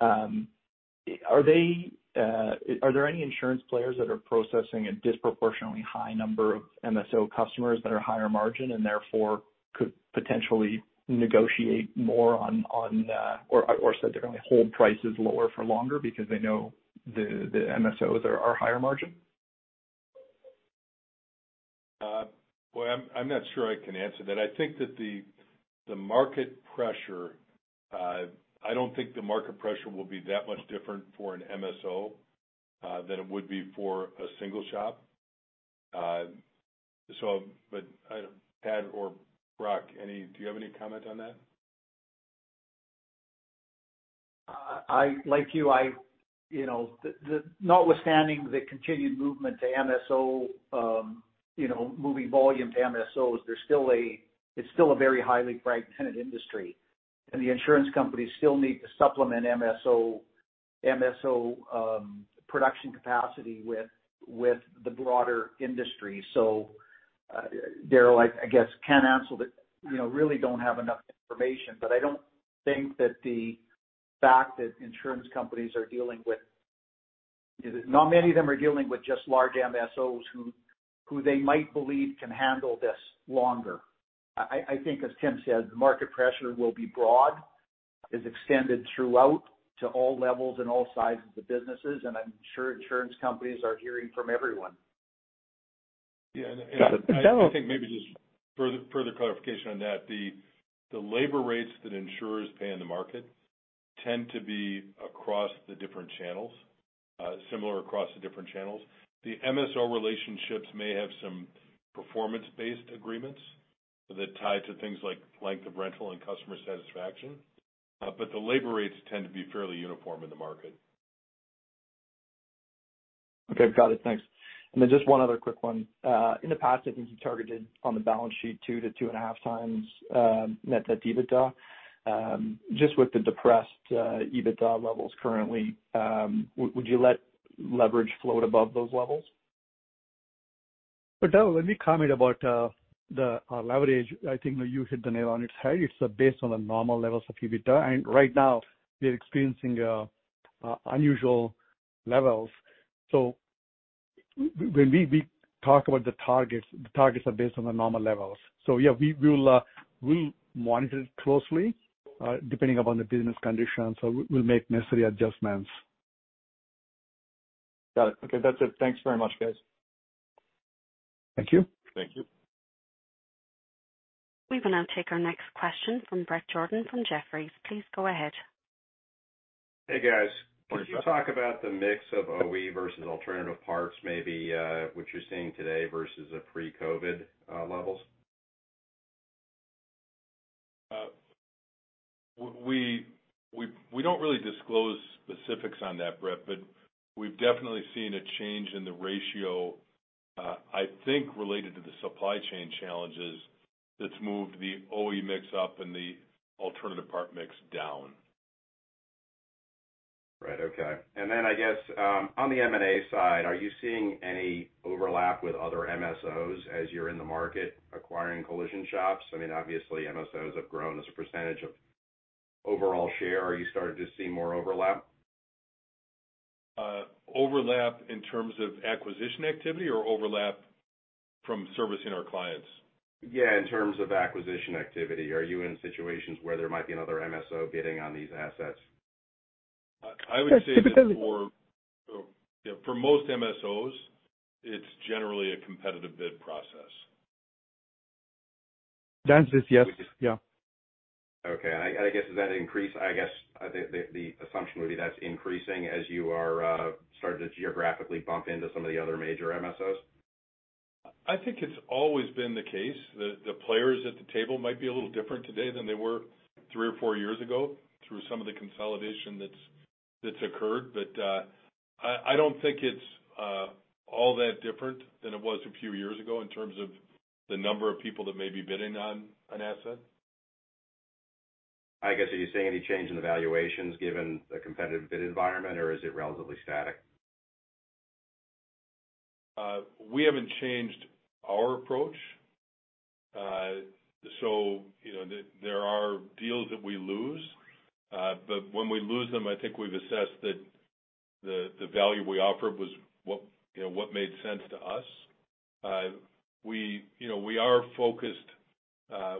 are there any insurance players that are processing a disproportionately high number of MSO customers that are higher margin and therefore could potentially negotiate more on, or said they're gonna hold prices lower for longer because they know the MSOs are higher margin? Boy, I'm not sure I can answer that. I think that the market pressure, I don't think the market pressure will be that much different for an MSO than it would be for a single shop. Pat or Brock, do you have any comment on that? Like you know, notwithstanding the continued movement to MSO, you know, moving volume to MSOs, there's still—it's still a very highly fragmented industry, and the insurance companies still need to supplement MSO production capacity with the broader industry. So, Daryl, I guess can't answer that. You know, really don't have enough information. But I don't think that the fact that insurance companies are dealing with not many of them are dealing with just large MSOs who they might believe can handle this longer. I think as Tim said, the market pressure will be broad, is extended throughout to all levels and all sizes of businesses, and I'm sure insurance companies are hearing from everyone. I think maybe just further clarification on that. The labor rates that insurers pay on the market tend to be across the different channels, similar across the different channels. The MSO relationships may have some performance-based agreements that tie to things like length of rental and customer satisfaction. The labor rates tend to be fairly uniform in the market. Okay. Got it. Thanks. Just one other quick one. In the past, I think you targeted on the balance sheet 2x-2.5x net debt to EBITDA. Just with the depressed EBITDA levels currently, would you let leverage float above those levels? Daryl, let me comment about the leverage. I think that you hit the nail on the head. It's based on the normal levels of EBITDA. Right now we're experiencing unusual levels. When we talk about the targets, the targets are based on the normal levels. Yeah, we will monitor it closely depending upon the business conditions. We'll make necessary adjustments. Got it. Okay. That's it. Thanks very much, guys. Thank you. Thank you. We will now take our next question from Bret Jordan from Jefferies. Please go ahead. Hey, guys. Morning, Bret. Could you talk about the mix of OE versus alternative parts, maybe, what you're seeing today versus pre-COVID levels? We don't really disclose specifics on that, Brett, but we've definitely seen a change in the ratio, I think related to the supply chain challenges that's moved the OE mix up and the alternative part mix down. Right. Okay. I guess, on the M&A side, are you seeing any overlap with other MSOs as you're in the market acquiring collision shops? I mean, obviously MSOs have grown as a percentage of overall share, are you starting to see more overlap? Overlap in terms of acquisition activity or overlap from servicing our clients? Yeah, in terms of acquisition activity. Are you in situations where there might be another MSO bidding on these assets? I would say that for- Yes, typically. For most MSOs, it's generally a competitive bid process. The answer is yes. Yeah. Okay. I guess, does that increase. I guess, I think the assumption would be that's increasing as you are starting to geographically bump into some of the other major MSOs. I think it's always been the case. The players at the table might be a little different today than they were three or four years ago through some of the consolidation that's occurred. I don't think it's all that different than it was a few years ago in terms of the number of people that may be bidding on an asset. I guess, are you seeing any change in the valuations given the competitive bid environment? Or is it relatively static? We haven't changed our approach. You know, there are deals that we lose. When we lose them, I think we've assessed that the value we offered was what, you know, what made sense to us. You know, we are focused.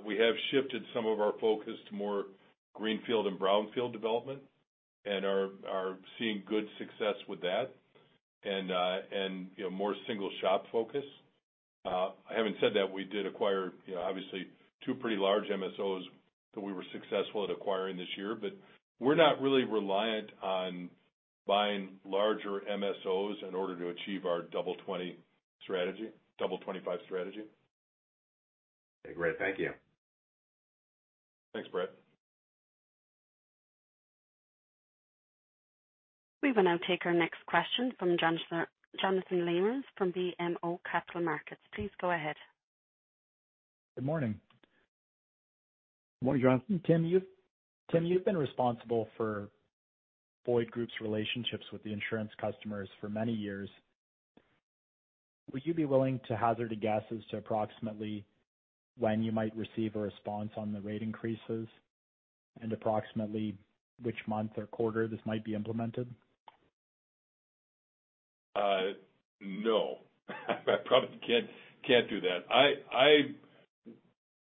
We have shifted some of our focus to more greenfield and brownfield development and are seeing good success with that and, you know, more single shop focus. Having said that, we did acquire, you know, obviously two pretty large MSOs that we were successful at acquiring this year. We're not really reliant on buying larger MSOs in order to achieve our double-by-2025 strategy. Okay, great. Thank you. Thanks, Bret. We will now take our next question from Jonathan Lamers from BMO Capital Markets. Please go ahead. Good morning. Morning, Jonathan. Tim, you've been responsible for Boyd Group's relationships with the insurance customers for many years. Would you be willing to hazard a guess as to approximately when you might receive a response on the rate increases and approximately which month or quarter this might be implemented? No. I probably can't do that.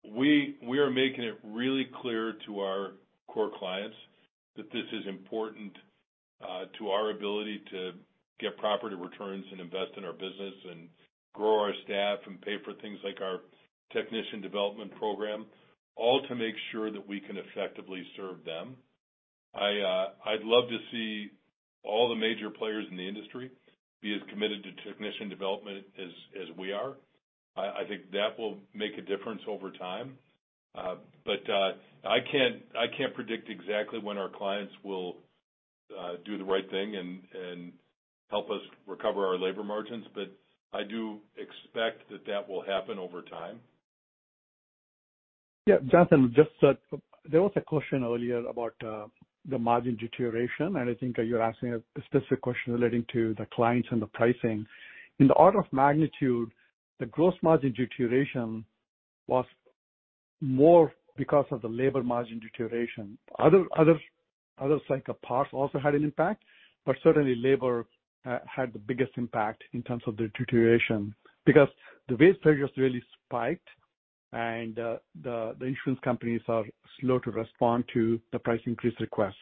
We are making it really clear to our core clients that this is important to our ability to get proper returns and invest in our business and grow our staff and pay for things like our Technician Development Program, all to make sure that we can effectively serve them. I'd love to see all the major players in the industry be as committed to Technician Development as we are. I think that will make a difference over time. I can't predict exactly when our clients will do the right thing and help us recover our labor margins. I do expect that will happen over time. Yeah, Jonathan, just that there was a question earlier about the margin deterioration, and I think you're asking a specific question relating to the clients and the pricing. In the order of magnitude, the gross margin deterioration was more because of the labor margin deterioration. Other cycle parts also had an impact, but certainly labor had the biggest impact in terms of the deterioration. Because the wage pressures really spiked, and the insurance companies are slow to respond to the price increase requests.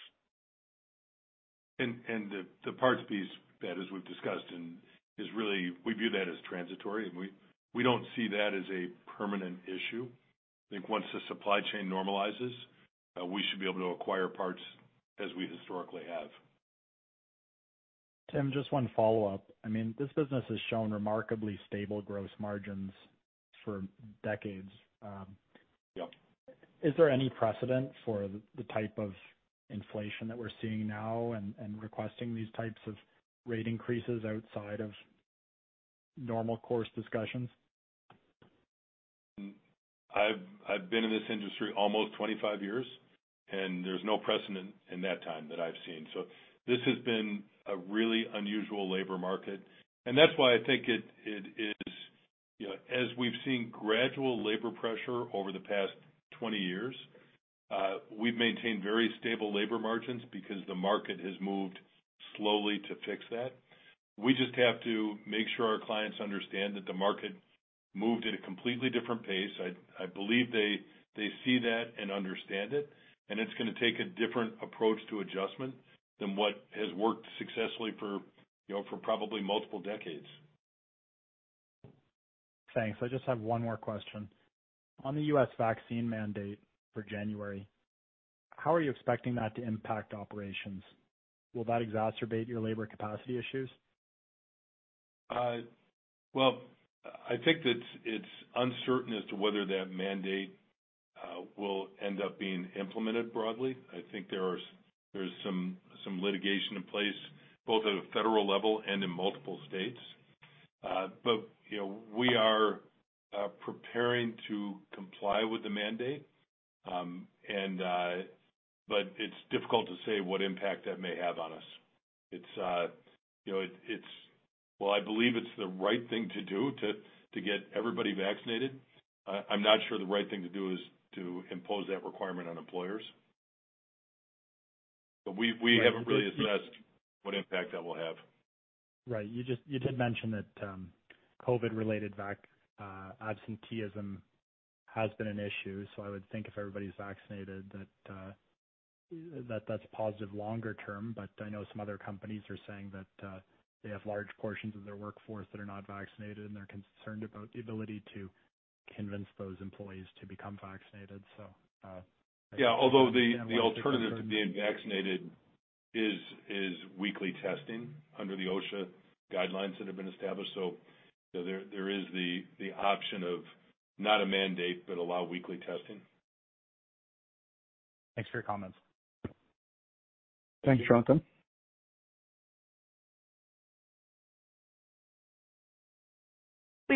The parts piece that as we've discussed and is really we view that as transitory, and we don't see that as a permanent issue. I think once the supply chain normalizes, we should be able to acquire parts as we historically have. Tim, just one follow-up. I mean, this business has shown remarkably stable gross margins for decades. Yep. Is there any precedent for the type of inflation that we're seeing now and requesting these types of rate increases outside of normal course discussions? I've been in this industry almost 25 years, and there's no precedent in that time that I've seen. This has been a really unusual labor market, and that's why I think it is, you know, as we've seen gradual labor pressure over the past 20 years, we've maintained very stable labor margins because the market has moved slowly to fix that. We just have to make sure our clients understand that the market moved at a completely different pace. I believe they see that and understand it, and it's gonna take a different approach to adjustment than what has worked successfully for, you know, for probably multiple decades. Thanks. I just have one more question. On the U.S. vaccine mandate for January, how are you expecting that to impact operations? Will that exacerbate your labor capacity issues? Well, I think that it's uncertain as to whether that mandate will end up being implemented broadly. I think there's some litigation in place, both at a federal level and in multiple states. You know, we are preparing to comply with the mandate. It's difficult to say what impact that may have on us. You know, I believe it's the right thing to do to get everybody vaccinated. I'm not sure the right thing to do is to impose that requirement on employers. We haven't really assessed what impact that will have. Right. You did mention that COVID-related vaccine absenteeism has been an issue. I would think if everybody's vaccinated that that's positive longer term. I know some other companies are saying that they have large portions of their workforce that are not vaccinated, and they're concerned about the ability to convince those employees to become vaccinated. Yeah. Although the alternative to being vaccinated is weekly testing under the OSHA guidelines that have been established. So there is the option of not a mandate, but allow weekly testing. Thanks for your comments. Thanks, Jonathan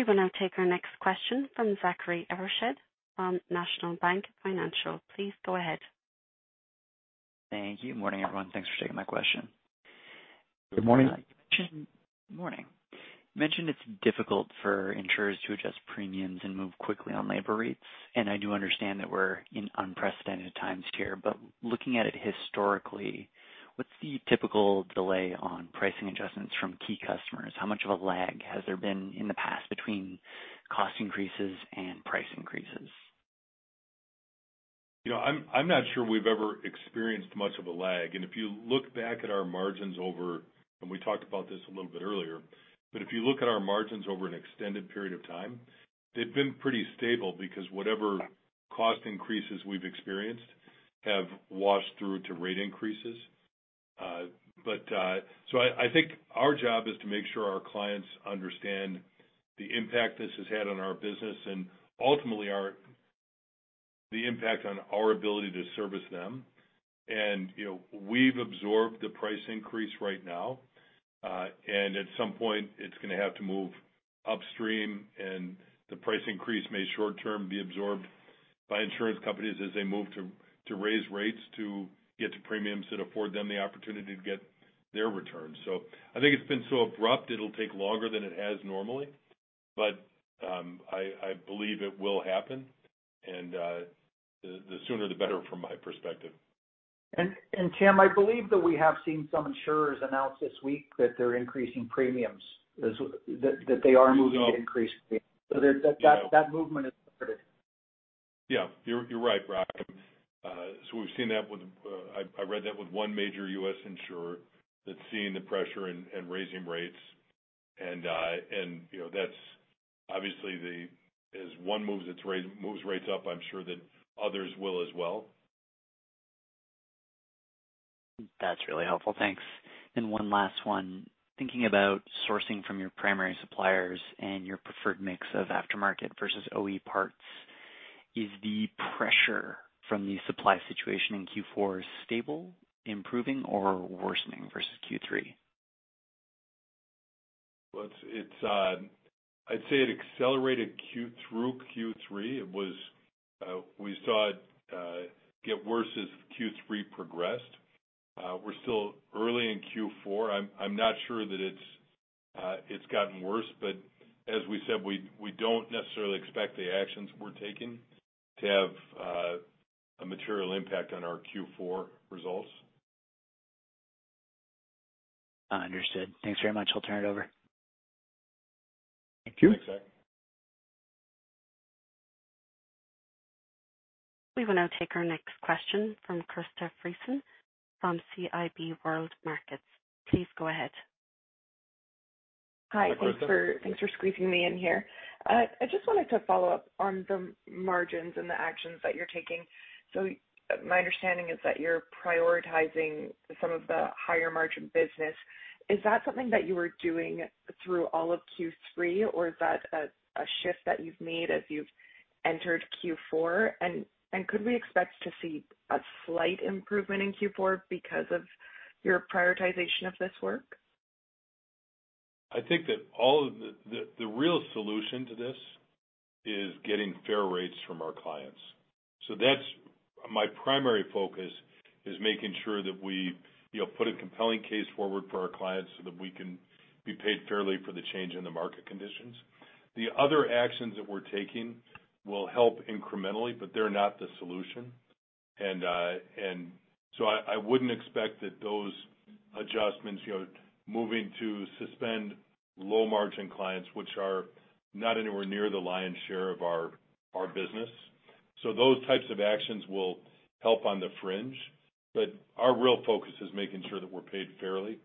Lamers. We will now take our next question from Zachary Evershed from National Bank Financial. Please go ahead. Thank you. Morning, everyone. Thanks for taking my question. Good morning. Morning. You mentioned it's difficult for insurers to adjust premiums and move quickly on labor rates, and I do understand that we're in unprecedented times here. Looking at it historically, what's the typical delay on pricing adjustments from key customers? How much of a lag has there been in the past between cost increases and price increases? You know, I'm not sure we've ever experienced much of a lag. If you look back at our margins over an extended period of time, they've been pretty stable because whatever cost increases we've experienced have washed through to rate increases. I think our job is to make sure our clients understand the impact this has had on our business and ultimately the impact on our ability to service them. You know, we've absorbed the price increase right now. At some point, it's gonna have to move upstream, and the price increase may short-term be absorbed by insurance companies as they move to raise rates to get to premiums that afford them the opportunity to get their return. I think it's been so abrupt it'll take longer than it has normally, but I believe it will happen, and the sooner the better from my perspective. Tim, I believe that we have seen some insurers announce this week that they're increasing premiums, that they are moving to increase premiums. That movement has started. Yeah. You're right, Brock. So we've seen that with I read that with one major U.S. insurer that's seeing the pressure and raising rates. You know, that's obviously as one moves rates up, I'm sure that others will as well. That's really helpful. Thanks. One last one. Thinking about sourcing from your primary suppliers and your preferred mix of aftermarket versus OE parts, is the pressure from the supply situation in Q4 stable, improving, or worsening versus Q3? Well, it's I'd say it accelerated through Q3. It was we saw it get worse as Q3 progressed. We're still early in Q4. I'm not sure that it's gotten worse. As we said, we don't necessarily expect the actions we're taking to have a material impact on our Q4 results. Understood. Thanks very much. I'll turn it over. Thank you. Thanks, Zach. We will now take our next question from Krista Friesen from CIBC Capital Markets. Please go ahead. Hi, Krista. Hi. Thanks for squeezing me in here. I just wanted to follow up on the margins and the actions that you're taking. My understanding is that you're prioritizing some of the higher margin business. Is that something that you were doing through all of Q3, or is that a shift that you've made as you've entered Q4? Could we expect to see a slight improvement in Q4 because of your prioritization of this work? I think that all of the real solution to this is getting fair rates from our clients. That's my primary focus, is making sure that we, you know, put a compelling case forward for our clients so that we can be paid fairly for the change in the market conditions. The other actions that we're taking will help incrementally, but they're not the solution. I wouldn't expect that those adjustments, you know, moving to suspend low margin clients, which are not anywhere near the lion's share of our business. Those types of actions will help on the fringe, but our real focus is making sure that we're paid fairly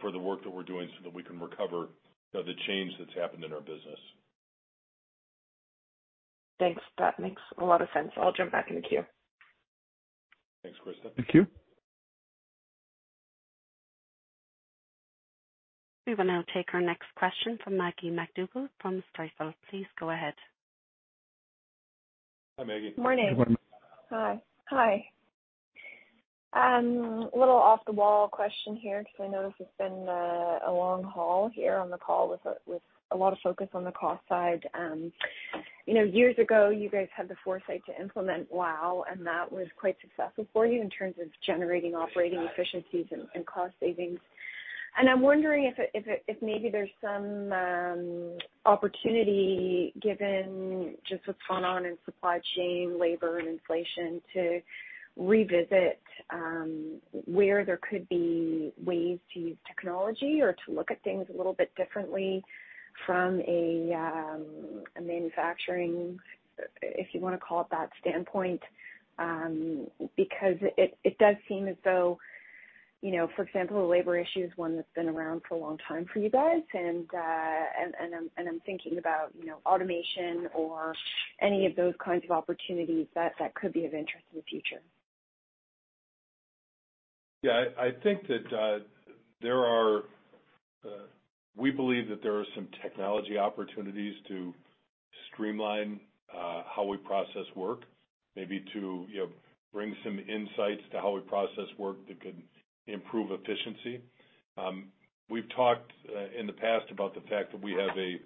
for the work that we're doing so that we can recover the change that's happened in our business. Thanks. That makes a lot of sense. I'll jump back in the queue. Thanks, Krista. Thank you. We will now take our next question from Maggie MacDougall from Stifel. Please go ahead. Hi, Maggie. Good morning. Good morning. Hi. A little off the wall question here because I know this has been a long haul here on the call with a lot of focus on the cost side. You know, years ago, you guys had the foresight to implement WOW, and that was quite successful for you in terms of generating operating efficiencies and cost savings. I'm wondering if maybe there's some opportunity given just what's gone on in supply chain, labor, and inflation to revisit where there could be ways to use technology or to look at things a little bit differently from a manufacturing, if you wanna call it that, standpoint. Because it does seem as though, you know, for example, the labor issue is one that's been around for a long time for you guys. I'm thinking about, you know, automation or any of those kinds of opportunities that could be of interest in the future. We believe that there are some technology opportunities to streamline how we process work, maybe to, you know, bring some insights to how we process work that could improve efficiency. We've talked in the past about the fact that we have a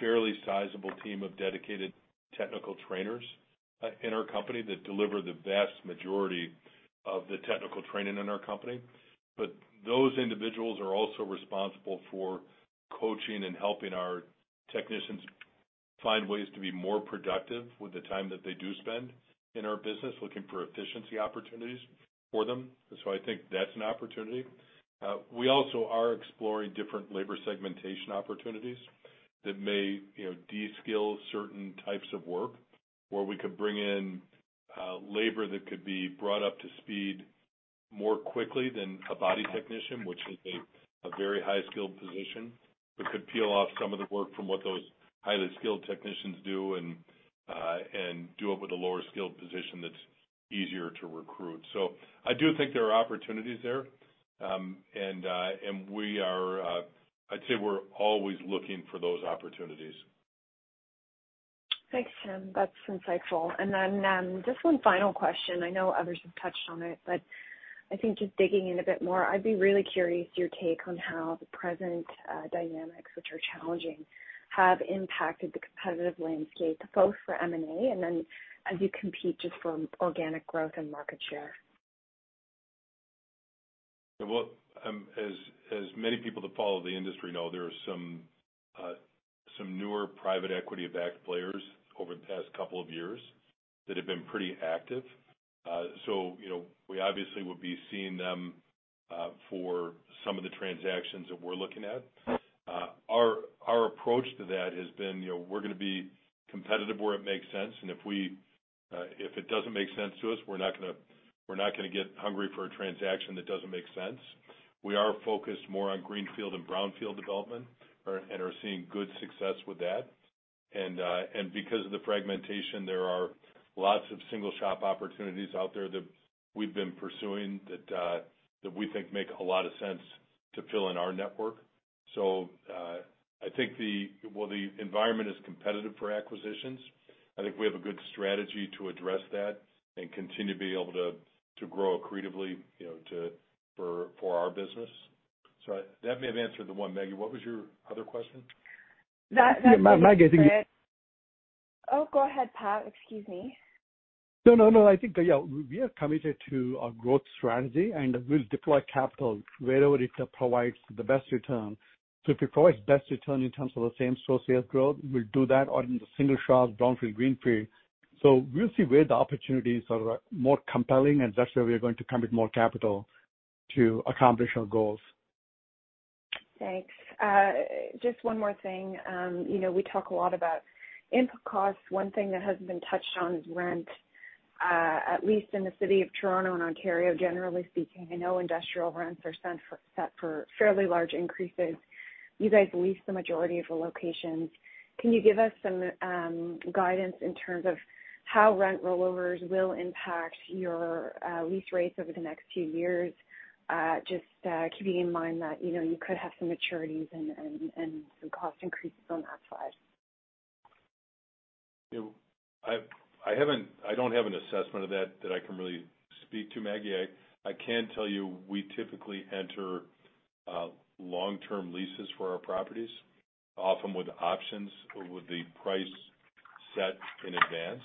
fairly sizable team of dedicated technical trainers in our company that deliver the vast majority of the technical training in our company. But those individuals are also responsible for coaching and helping our technicians find ways to be more productive with the time that they do spend in our business looking for efficiency opportunities for them. I think that's an opportunity. We also are exploring different labor segmentation opportunities that may, you know, de-skill certain types of work where we could bring in labor that could be brought up to speed more quickly than a body technician, which is a very high-skilled position. We could peel off some of the work from what those highly skilled technicians do and do it with a lower skilled position that's easier to recruit. I do think there are opportunities there. I'd say we're always looking for those opportunities. Thanks, Tim. That's insightful. Just one final question. I know others have touched on it, but I think just digging in a bit more, I'd be really curious your take on how the present dynamics, which are challenging, have impacted the competitive landscape, both for M&A and then as you compete just for organic growth and market share? Well, as many people that follow the industry know, there are some newer private equity-backed players over the past couple of years that have been pretty active. You know, we obviously would be seeing them for some of the transactions that we're looking at. Our approach to that has been, you know, we're gonna be competitive where it makes sense. If it doesn't make sense to us, we're not gonna get hungry for a transaction that doesn't make sense. We are focused more on greenfield and brownfield development and are seeing good success with that. Because of the fragmentation, there are lots of single shop opportunities out there that we've been pursuing that we think make a lot of sense to fill in our network. Well, the environment is competitive for acquisitions. I think we have a good strategy to address that and continue to be able to grow accretively, you know, to for our business. That may have answered the one, Maggie. What was your other question? That did answer it. Yeah. Mag, I think Oh, go ahead, Pat. Excuse me. No, no. I think, yeah, we are committed to our growth strategy, and we'll deploy capital wherever it provides the best return. If it provides best return in terms of the same-store sales growth, we'll do that or in the single shops, brownfield, greenfield. We'll see where the opportunities are more compelling, and that's where we are going to commit more capital to accomplish our goals. Thanks. Just one more thing. You know, we talk a lot about input costs. One thing that hasn't been touched on is rent. At least in the city of Toronto and Ontario, generally speaking, I know industrial rents are set for fairly large increases. You guys lease the majority of the locations. Can you give us some guidance in terms of how rent rollovers will impact your lease rates over the next few years? Just keeping in mind that, you know, you could have some maturities and some cost increases on that side. You know, I don't have an assessment of that I can really speak to, Maggie. I can tell you we typically enter long-term leases for our properties, often with options the price set in advance.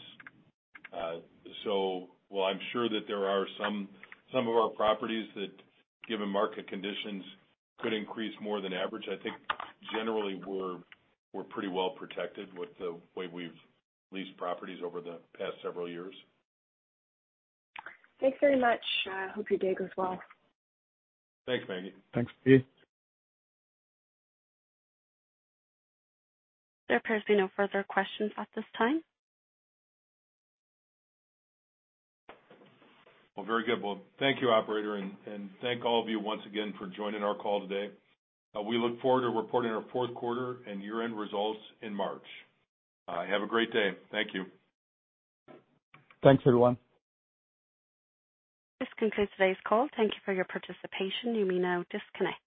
While I'm sure that there are some of our properties that, given market conditions, could increase more than average, I think generally we're pretty well protected with the way we've leased properties over the past several years. Thanks very much. Hope your day goes well. Thanks, Maggie. Thanks. Peace. There appears to be no further questions at this time. Well, very good. Well, thank you, operator, and thank all of you once again for joining our call today. We look forward to reporting our Q4 and year-end results in March. Have a great day. Thank you. Thanks, everyone. This concludes today's call. Thank you for your participation. You may now disconnect.